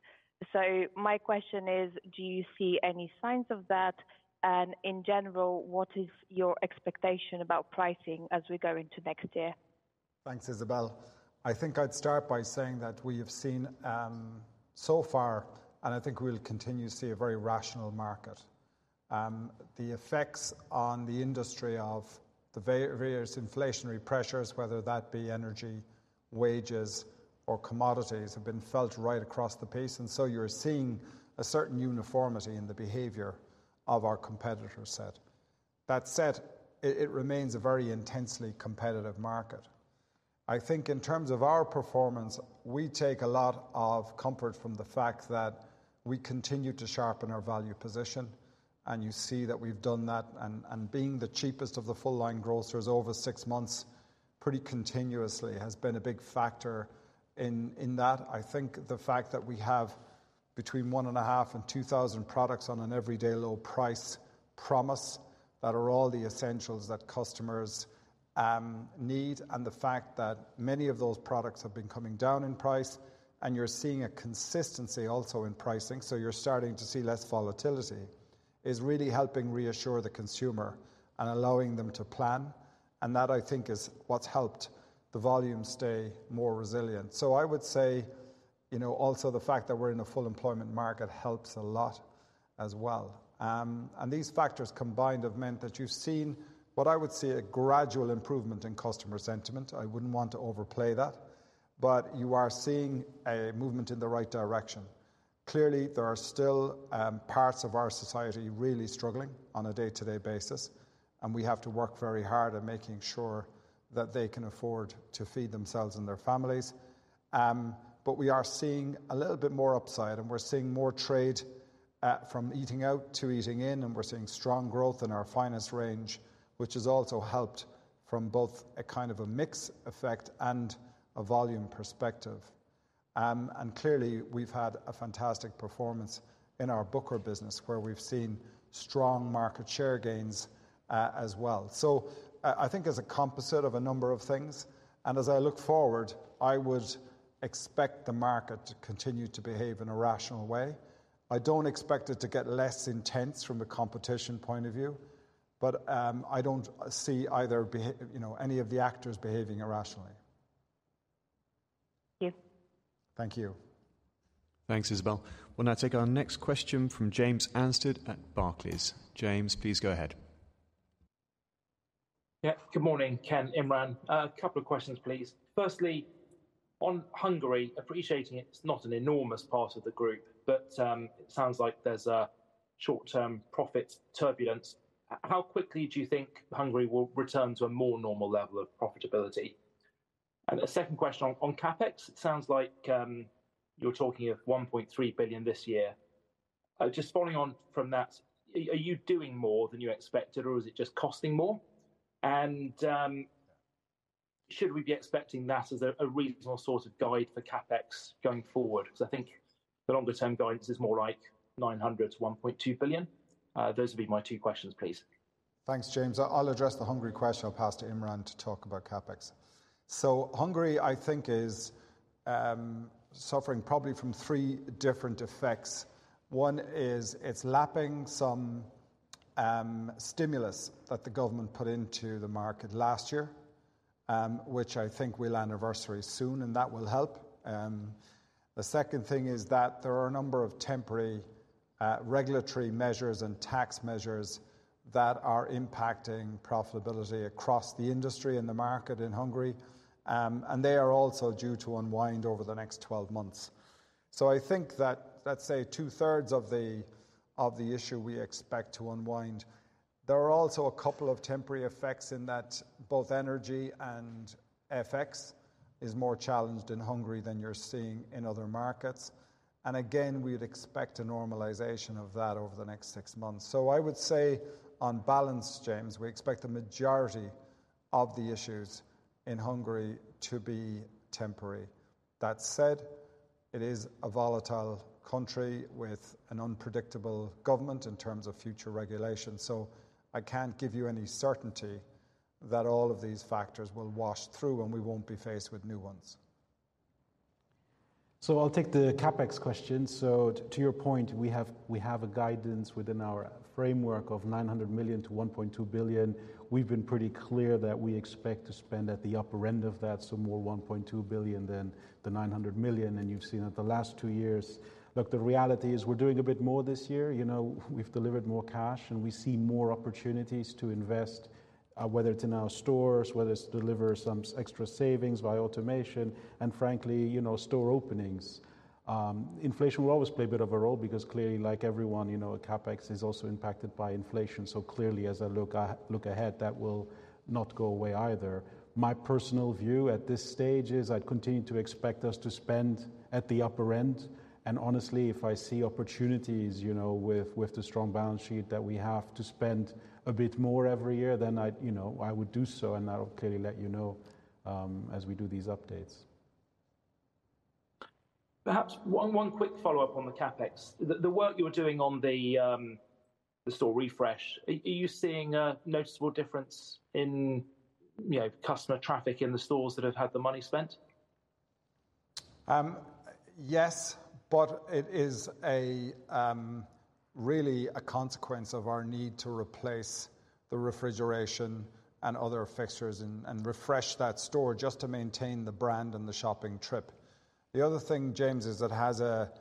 So my question is: Do you see any signs of that? And in general, what is your expectation about pricing as we go into next year? Thanks, Izabel. I think I'd start by saying that we have seen, so far, and I think we'll continue to see a very rational market. The effects on the industry of the various inflationary pressures, whether that be energy, wages, or commodities, have been felt right across the piece, and so you're seeing a certain uniformity in the behavior of our competitor set. That said, it remains a very intensely competitive market. I think in terms of our performance, we take a lot of comfort from the fact that we continue to sharpen our value position, and you see that we've done that, and being the cheapest of the full-line grocers over six months, pretty continuously, has been a big factor in that. I think the fact that we have between 1.5 and 2,000 products on an everyday low price promise that are all the essentials that customers need, and the fact that many of those products have been coming down in price, and you're seeing a consistency also in pricing. So you're starting to see less volatility is really helping reassure the consumer and allowing them to plan, and that, I think, is what's helped the volume stay more resilient. So I would say, you know, also the fact that we're in a full employment market helps a lot as well. And these factors combined have meant that you've seen what I would say, a gradual improvement in customer sentiment. I wouldn't want to overplay that, but you are seeing a movement in the right direction. Clearly, there are still parts of our society really struggling on a day-to-day basis, and we have to work very hard at making sure that they can afford to feed themselves and their families. But we are seeing a little bit more upside, and we're seeing more trade from eating out to eating in, and we're seeing strong growth in our Finest range, which has also helped from both a kind of a mix effect and a volume perspective. And clearly, we've had a fantastic performance in our Booker business, where we've seen strong market share gains as well. So I think it's a composite of a number of things, and as I look forward, I would expect the market to continue to behave in a rational way. I don't expect it to get less intense from a competition point of view, but, I don't see either you know, any of the actors behaving irrationally. Thank you. Thank you. Thanks, Izabel. We'll now take our next question from James Anstead at Barclays. James, please go ahead. Yeah. Good morning, Ken, Imran. A couple of questions, please. Firstly, on Hungary, appreciating it's not an enormous part of the group, but it sounds like there's a short-term profit turbulence. How quickly do you think Hungary will return to a more normal level of profitability? And a second question on CapEx. It sounds like you're talking of 1.3 billion this year. Just following on from that, are you doing more than you expected, or is it just costing more? And should we be expecting that as a reasonable sort of guide for CapEx going forward? Because I think the longer term guidance is more like 900 million to 1.2 billion. Those would be my two questions, please. Thanks, James. I'll address the Hungary question. I'll pass to Imran to talk about CapEx. So Hungary, I think, is suffering probably from three different effects. One is it's lapping some stimulus that the government put into the market last year, which I think will anniversary soon, and that will help. The second thing is that there are a number of temporary regulatory measures and tax measures that are impacting profitability across the industry and the market in Hungary, and they are also due to unwind over the next 12 months. So I think that, let's say 2/3 of the issue we expect to unwind. There are also a couple of temporary effects in that both energy and FX is more challenged in Hungary than you're seeing in other markets. Again, we'd expect a normalization of that over the next six months. I would say, on balance, James, we expect the majority of the issues in Hungary to be temporary. That said, it is a volatile country with an unpredictable government in terms of future regulation. I can't give you any certainty that all of these factors will wash through, and we won't be faced with new ones.... So I'll take the CapEx question. So to, to your point, we have, we have a guidance within our framework of 900 million-1.2 billion. We've been pretty clear that we expect to spend at the upper end of that, so more 1.2 billion than the 900 million, and you've seen it the last two years. Look, the reality is we're doing a bit more this year. You know, we've delivered more cash, and we see more opportunities to invest, whether it's in our stores, whether it's to deliver some extra savings by automation, and frankly, you know, store openings. Inflation will always play a bit of a role because clearly, like everyone, you know, CapEx is also impacted by inflation. So clearly, as I look ahead, that will not go away either. My personal view at this stage is I'd continue to expect us to spend at the upper end, and honestly, if I see opportunities, you know, with the strong balance sheet that we have to spend a bit more every year, then I'd, you know, I would do so, and I'll clearly let you know as we do these updates. Perhaps one quick follow-up on the CapEx. The work you were doing on the store refresh, are you seeing a noticeable difference in, you know, customer traffic in the stores that have had the money spent? Yes, but it is a, really a consequence of our need to replace the refrigeration and other fixtures and refresh that store just to maintain the brand and the shopping trip. The other thing, James, is it has a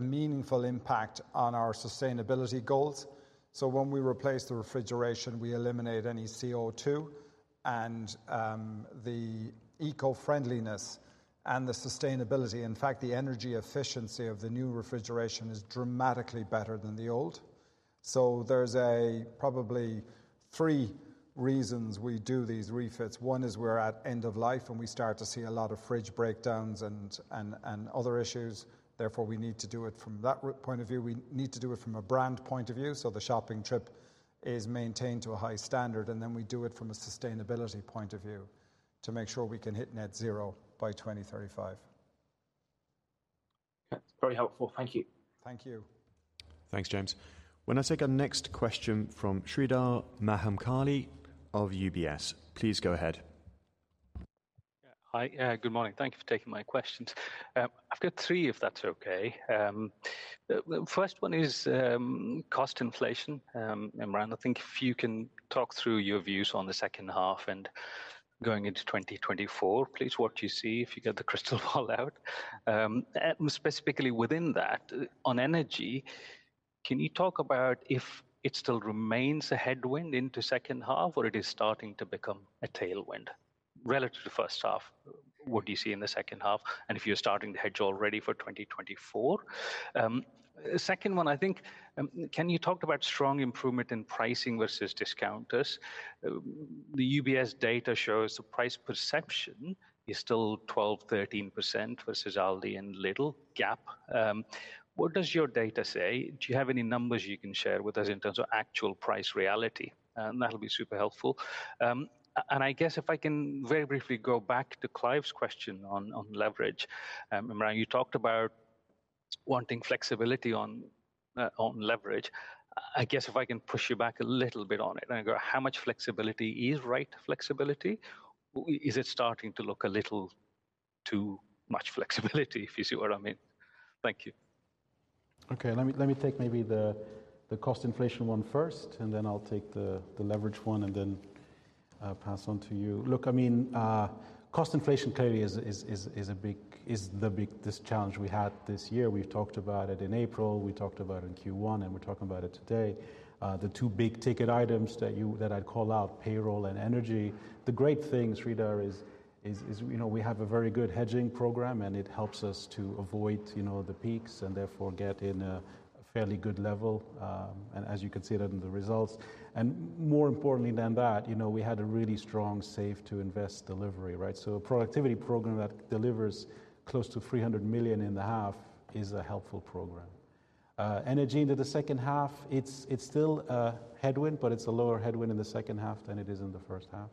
meaningful impact on our sustainability goals. So when we replace the refrigeration, we eliminate any CO2 and the eco-friendliness and the sustainability. In fact, the energy efficiency of the new refrigeration is dramatically better than the old. So there's probably three reasons we do these refits. One is we're at end of life, and we start to see a lot of fridge breakdowns and other issues. Therefore, we need to do it from that point of view. We need to do it from a brand point of view, so the shopping trip is maintained to a high standard, and then we do it from a sustainability point of view to make sure we can hit net zero by 2035. That's very helpful. Thank you. Thank you. Thanks, James. Why don't I take our next question from Sridhar Mahamkali of UBS. Please go ahead. Yeah. Hi, good morning. Thank you for taking my questions. I've got three, if that's okay. The first one is, cost inflation. Imran, I think if you can talk through your views on the second half and going into 2024, please, what you see if you get the crystal ball out. And specifically within that, on energy, can you talk about if it still remains a headwind into second half, or it is starting to become a tailwind relative to first half? What do you see in the second half, and if you're starting to hedge already for 2024? Second one, I think, can you talk about strong improvement in pricing versus discounters? The UBS data shows the price perception is still 12%-13% versus Aldi and Lidl gap. What does your data say? Do you have any numbers you can share with us in terms of actual price reality? And that'll be super helpful. And I guess if I can very briefly go back to Clive's question on leverage. Imran, you talked about wanting flexibility on leverage. I guess if I can push you back a little bit on it, and I go, how much flexibility is right flexibility? Is it starting to look a little too much flexibility, if you see what I mean? Thank you. Okay, let me take maybe the cost inflation one first, and then I'll take the leverage one, and then I'll pass on to you. Look, I mean, cost inflation clearly is the big challenge we had this year. We've talked about it in April, we talked about it in Q1, and we're talking about it today. The two big-ticket items that I'd call out, payroll and energy. The great thing, Sridhar, is, you know, we have a very good hedging program, and it helps us to avoid, you know, the peaks and therefore get in a fairly good level, and as you can see it in the results. And more importantly than that, you know, we had a really strong Save to Invest delivery, right? So a productivity program that delivers close to 300 million in the half is a helpful program. Energy into the second half, it's, it's still a headwind, but it's a lower headwind in the second half than it is in the first half.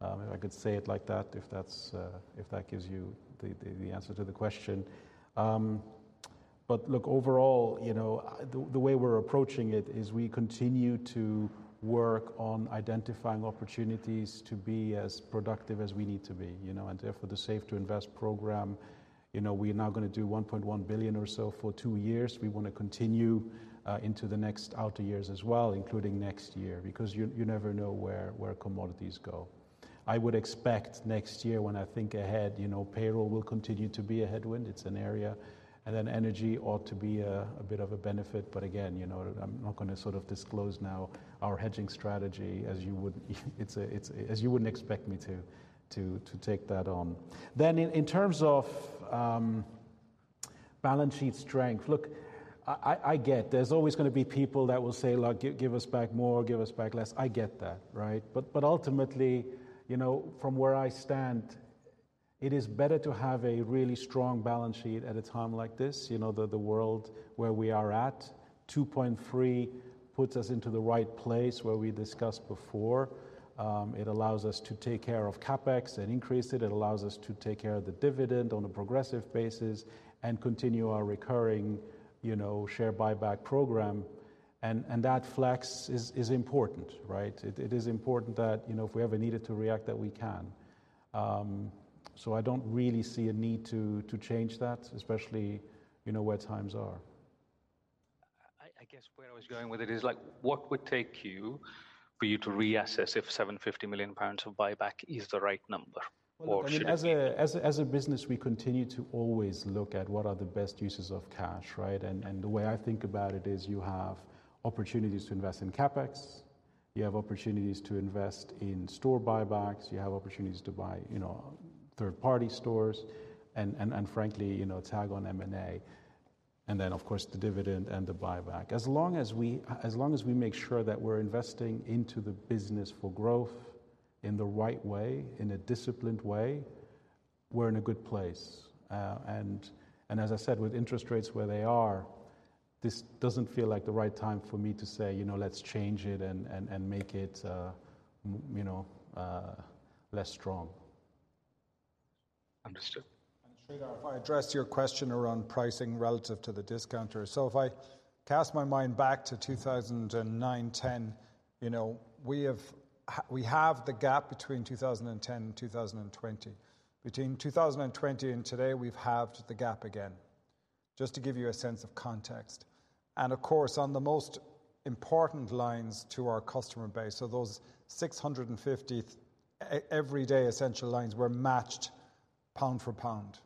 If I could say it like that, if that's, if that gives you the, the, the answer to the question. But look, overall, you know, the, the way we're approaching it is we continue to work on identifying opportunities to be as productive as we need to be, you know, and therefore, the Save to Invest program, you know, we're now gonna do 1.1 billion or so for two years. We want to continue into the next outer years as well, including next year, because you, you never know where, where commodities go. I would expect next year, when I think ahead, you know, payroll will continue to be a headwind. It's an area, and then energy ought to be a bit of a benefit, but again, you know, I'm not gonna sort of disclose now our hedging strategy, as you would, it's as you wouldn't expect me to take that on. Then in terms of balance sheet strength, look, I get there's always gonna be people that will say, "Look, give us back more, give us back less." I get that, right? But ultimately, you know, from where I stand, it is better to have a really strong balance sheet at a time like this. You know, the world where we are at, 2.3 puts us into the right place where we discussed before. It allows us to take care of CapEx and increase it. It allows us to take care of the dividend on a progressive basis and continue our recurring, you know, share buyback program, and that flex is important, right? It is important that, you know, if we ever needed to react, that we can. So I don't really see a need to change that, especially, you know, where times are.... I was going with it is like, what would take you for you to reassess if 750 million pounds of buyback is the right number or should it be? Well, I mean, as a business, we continue to always look at what are the best uses of cash, right? And the way I think about it is you have opportunities to invest in CapEx, you have opportunities to invest in store buybacks, you have opportunities to buy, you know, third-party stores, and frankly, you know, tag on M&A, and then, of course, the dividend and the buyback. As long as we, as long as we make sure that we're investing into the business for growth in the right way, in a disciplined way, we're in a good place. And as I said, with interest rates where they are, this doesn't feel like the right time for me to say, "You know, let's change it and make it, you know, less strong. Understood. Sridhar, if I address your question around pricing relative to the discounter. If I cast my mind back to 2009, 2010, you know, we have the gap between 2010 and 2020. Between 2020 and today, we've halved the gap again, just to give you a sense of context. And of course, on the most important lines to our customer base, so those 650 everyday essential lines were matched pound for pound.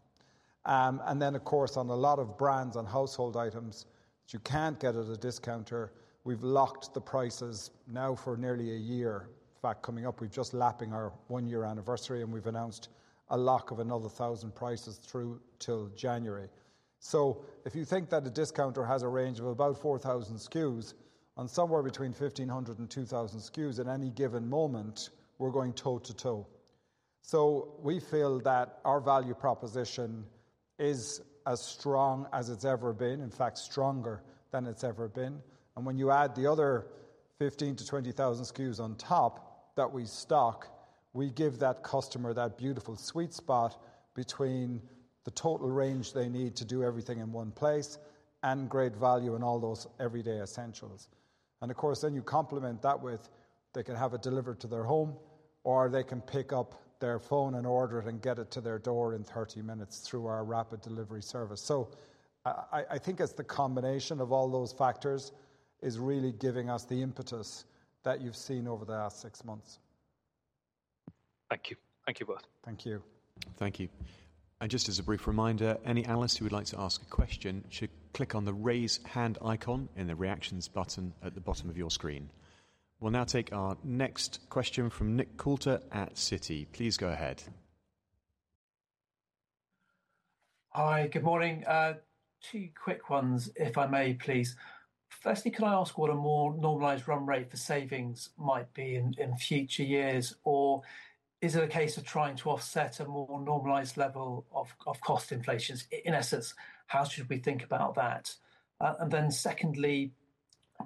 And then, of course, on a lot of brands on household items that you can't get at a discounter, we've locked the prices now for nearly a year. In fact, coming up, we're just lapping our one-year anniversary, and we've announced a lock of another 1,000 prices through till January. So if you think that a discounter has a range of about 4,000 SKUs, on somewhere between 1,500 and 2,000 SKUs at any given moment, we're going toe to toe. So we feel that our value proposition is as strong as it's ever been, in fact, stronger than it's ever been. And when you add the other 15,000-20,000 SKUs on top that we stock, we give that customer that beautiful sweet spot between the total range they need to do everything in one place and great value in all those everyday essentials. And of course, then you complement that with, they can have it delivered to their home, or they can pick up their phone and order it and get it to their door in 30 minutes through our rapid delivery service. So I think it's the combination of all those factors is really giving us the impetus that you've seen over the last six months. Thank you. Thank you both. Thank you. Thank you. Just as a brief reminder, any analyst who would like to ask a question should click on the Raise Hand icon in the Reactions button at the bottom of your screen. We'll now take our next question from Nick Coulter at Citi. Please go ahead. Hi, good morning. Two quick ones, if I may please. Firstly, can I ask what a more normalized run rate for savings might be in future years? Or is it a case of trying to offset a more normalized level of cost inflation? In essence, how should we think about that? And then secondly,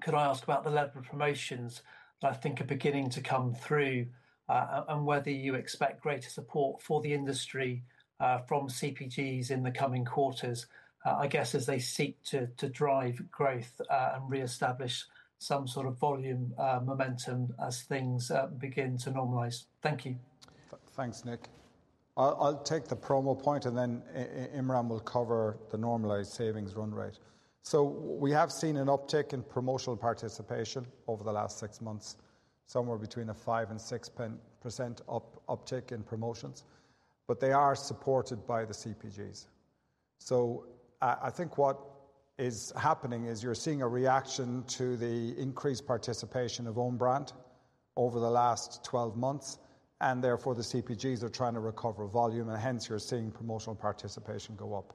could I ask about the level of promotions that I think are beginning to come through, and whether you expect greater support for the industry from CPGs in the coming quarters, I guess, as they seek to drive growth, and reestablish some sort of volume momentum as things begin to normalize. Thank you. Thanks, Nick. I'll take the promo point, and then Imran will cover the normalized savings run rate. So we have seen an uptick in promotional participation over the last six months, somewhere between a 5%-6% uptick in promotions, but they are supported by the CPGs. So I think what is happening is you're seeing a reaction to the increased participation of own brand over the last 12 months, and therefore, the CPGs are trying to recover volume, and hence you're seeing promotional participation go up.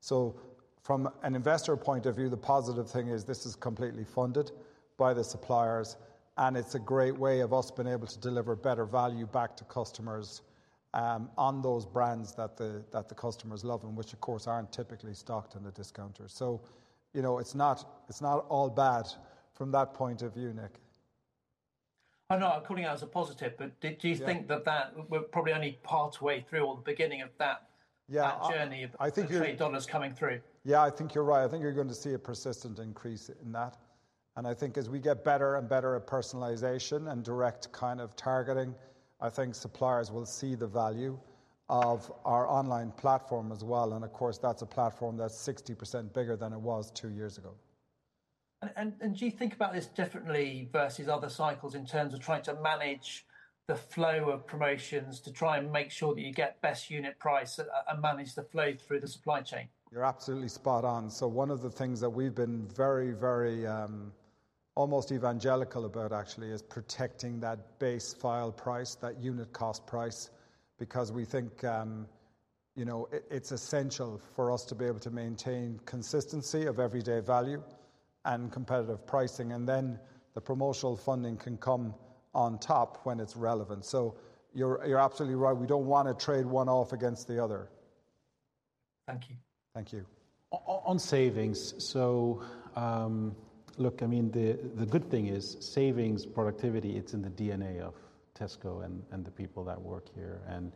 So from an investor point of view, the positive thing is this is completely funded by the suppliers, and it's a great way of us being able to deliver better value back to customers on those brands that the customers love, and which, of course, aren't typically stocked in the discounters. So, you know, it's not, it's not all bad from that point of view, Nick. I know. I'm calling it as a positive, but do you think- Yeah... that we're probably only partway through or the beginning of that- Yeah, I- that journey of I think you're-... trade dollars coming through? Yeah, I think you're right. I think you're going to see a persistent increase in that, and I think as we get better and better at personalization and direct kind of targeting, I think suppliers will see the value of our online platform as well, and of course, that's a platform that's 60% bigger than it was two years ago. Do you think about this differently versus other cycles in terms of trying to manage the flow of promotions, to try and make sure that you get best unit price and manage the flow through the supply chain? You're absolutely spot on. So one of the things that we've been very, very, almost evangelical about, actually, is protecting that base file price, that unit cost price, because we think, you know, it, it's essential for us to be able to maintain consistency of everyday value and competitive pricing, and then the promotional funding can come on top when it's relevant. So you're, you're absolutely right. We don't want to trade one off against the other.... Thank you. Thank you. On savings, so, look, I mean, the good thing is savings, productivity, it's in the DNA of Tesco and the people that work here. And,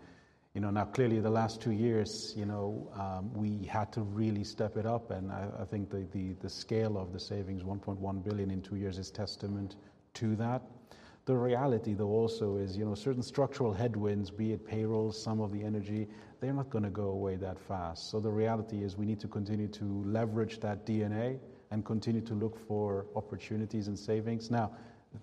you know, now, clearly, the last two years, you know, we had to really step it up, and I think the scale of the savings, 1.1 billion in two years, is testament to that. The reality, though, also is, you know, certain structural headwinds, be it payroll, some of the energy, they're not gonna go away that fast. So the reality is we need to continue to leverage that DNA and continue to look for opportunities and savings. Now,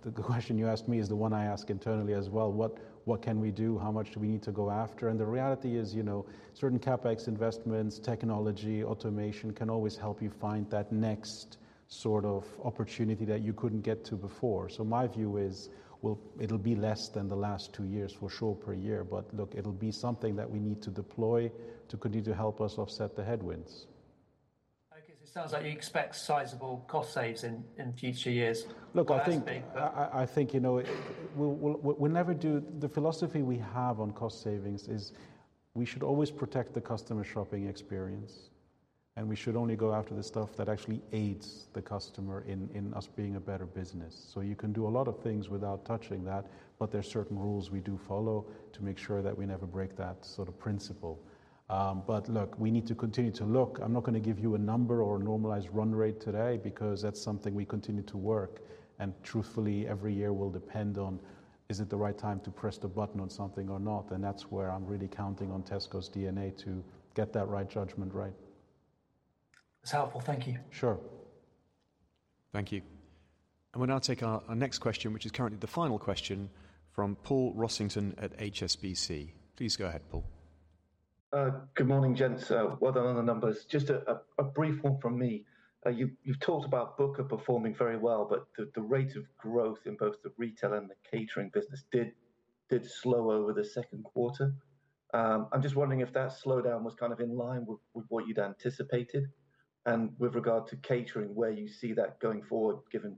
the question you asked me is the one I ask internally as well: What can we do? How much do we need to go after? And the reality is, you know, certain CapEx investments, technology, automation, can always help you find that next sort of opportunity that you couldn't get to before. So my view is, well, it'll be less than the last two years, for sure, per year. But look, it'll be something that we need to deploy to continue to help us offset the headwinds. Okay, so it sounds like you expect sizable cost saves in future years. Look, I think- That's me, but- I think, you know, we'll never do. The philosophy we have on cost savings is we should always protect the customer shopping experience, and we should only go after the stuff that actually aids the customer in us being a better business. So you can do a lot of things without touching that, but there are certain rules we do follow to make sure that we never break that sort of principle. But look, we need to continue to look. I'm not gonna give you a number or a normalized run rate today because that's something we continue to work, and truthfully, every year will depend on, is it the right time to press the button on something or not? And that's where I'm really counting on Tesco's DNA to get that right judgment right. It's helpful. Thank you. Sure. Thank you. We'll now take our, our next question, which is currently the final question from Paul Rossington at HSBC. Please go ahead, Paul. Good morning, gents. So well done on the numbers. Just a brief one from me. You've talked about Booker performing very well, but the rate of growth in both the retail and the catering business did slow over the second quarter. I'm just wondering if that slowdown was kind of in line with what you'd anticipated, and with regard to catering, where you see that going forward, given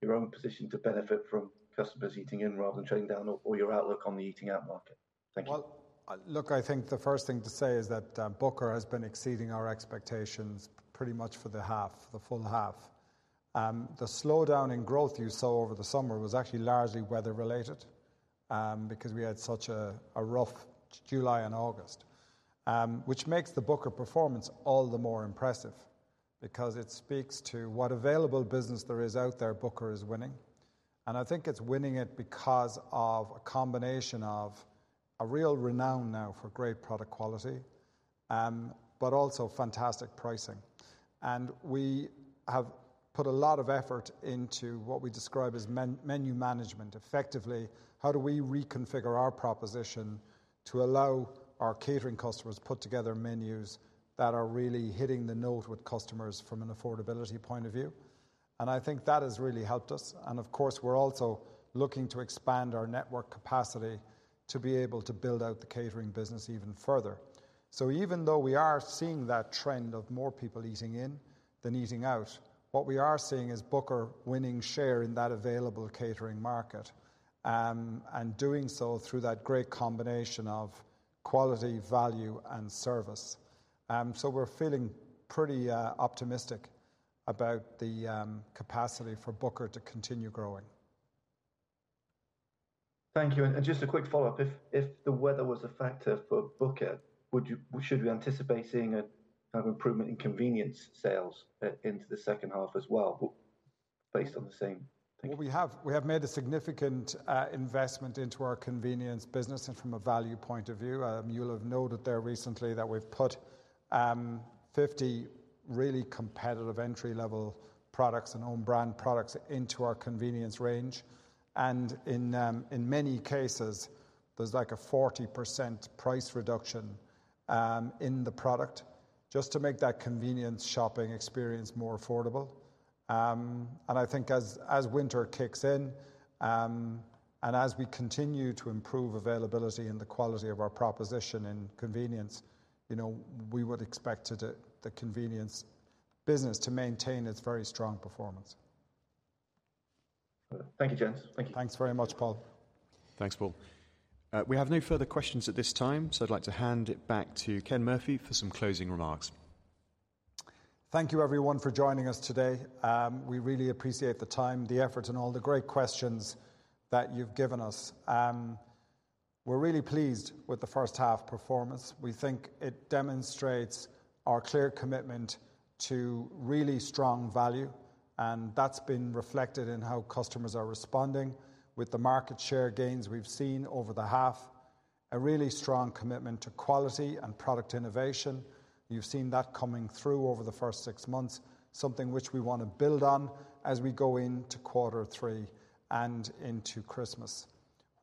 your own position to benefit from customers eating in rather than trading down or your outlook on the eating out market. Thank you. Well, look, I think the first thing to say is that, Booker has been exceeding our expectations pretty much for the half, the full half. The slowdown in growth you saw over the summer was actually largely weather related, because we had such a rough July and August. Which makes the Booker performance all the more impressive because it speaks to what available business there is out there, Booker is winning. And I think it's winning it because of a combination of a real renown now for great product quality, but also fantastic pricing. And we have put a lot of effort into what we describe as menu management. Effectively, how do we reconfigure our proposition to allow our catering customers to put together menus that are really hitting the note with customers from an affordability point of view? And I think that has really helped us. And of course, we're also looking to expand our network capacity to be able to build out the catering business even further. So even though we are seeing that trend of more people eating in than eating out, what we are seeing is Booker winning share in that available catering market, and doing so through that great combination of quality, value, and service. So we're feeling pretty optimistic about the capacity for Booker to continue growing. Thank you. And just a quick follow-up: If the weather was a factor for Booker, would you, should we anticipate seeing a kind of improvement in convenience sales into the second half as well, based on the same thing? We have. We have made a significant investment into our convenience business and from a value point of view. You'll have noted there recently that we've put 50 really competitive entry-level products and own brand products into our convenience range, and in many cases, there's like a 40% price reduction in the product just to make that convenience shopping experience more affordable. And I think as winter kicks in and as we continue to improve availability and the quality of our proposition and convenience, you know, we would expect it to, the convenience business, to maintain its very strong performance. Thank you, gents. Thank you. Thanks very much, Paul. Thanks, Paul. We have no further questions at this time, so I'd like to hand it back to Ken Murphy for some closing remarks. Thank you, everyone, for joining us today. We really appreciate the time, the effort, and all the great questions that you've given us. We're really pleased with the first half performance. We think it demonstrates our clear commitment to really strong value, and that's been reflected in how customers are responding with the market share gains we've seen over the half. A really strong commitment to quality and product innovation. You've seen that coming through over the first six months, something which we want to build on as we go into quarter three and into Christmas,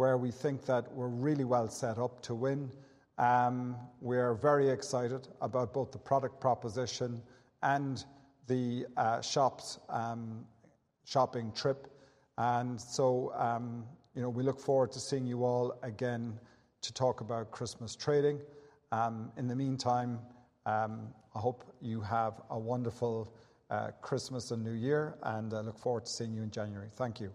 where we think that we're really well set up to win. We are very excited about both the product proposition and the shops, shopping trip. And so, you know, we look forward to seeing you all again to talk about Christmas trading. In the meantime, I hope you have a wonderful Christmas and New Year, and I look forward to seeing you in January. Thank you.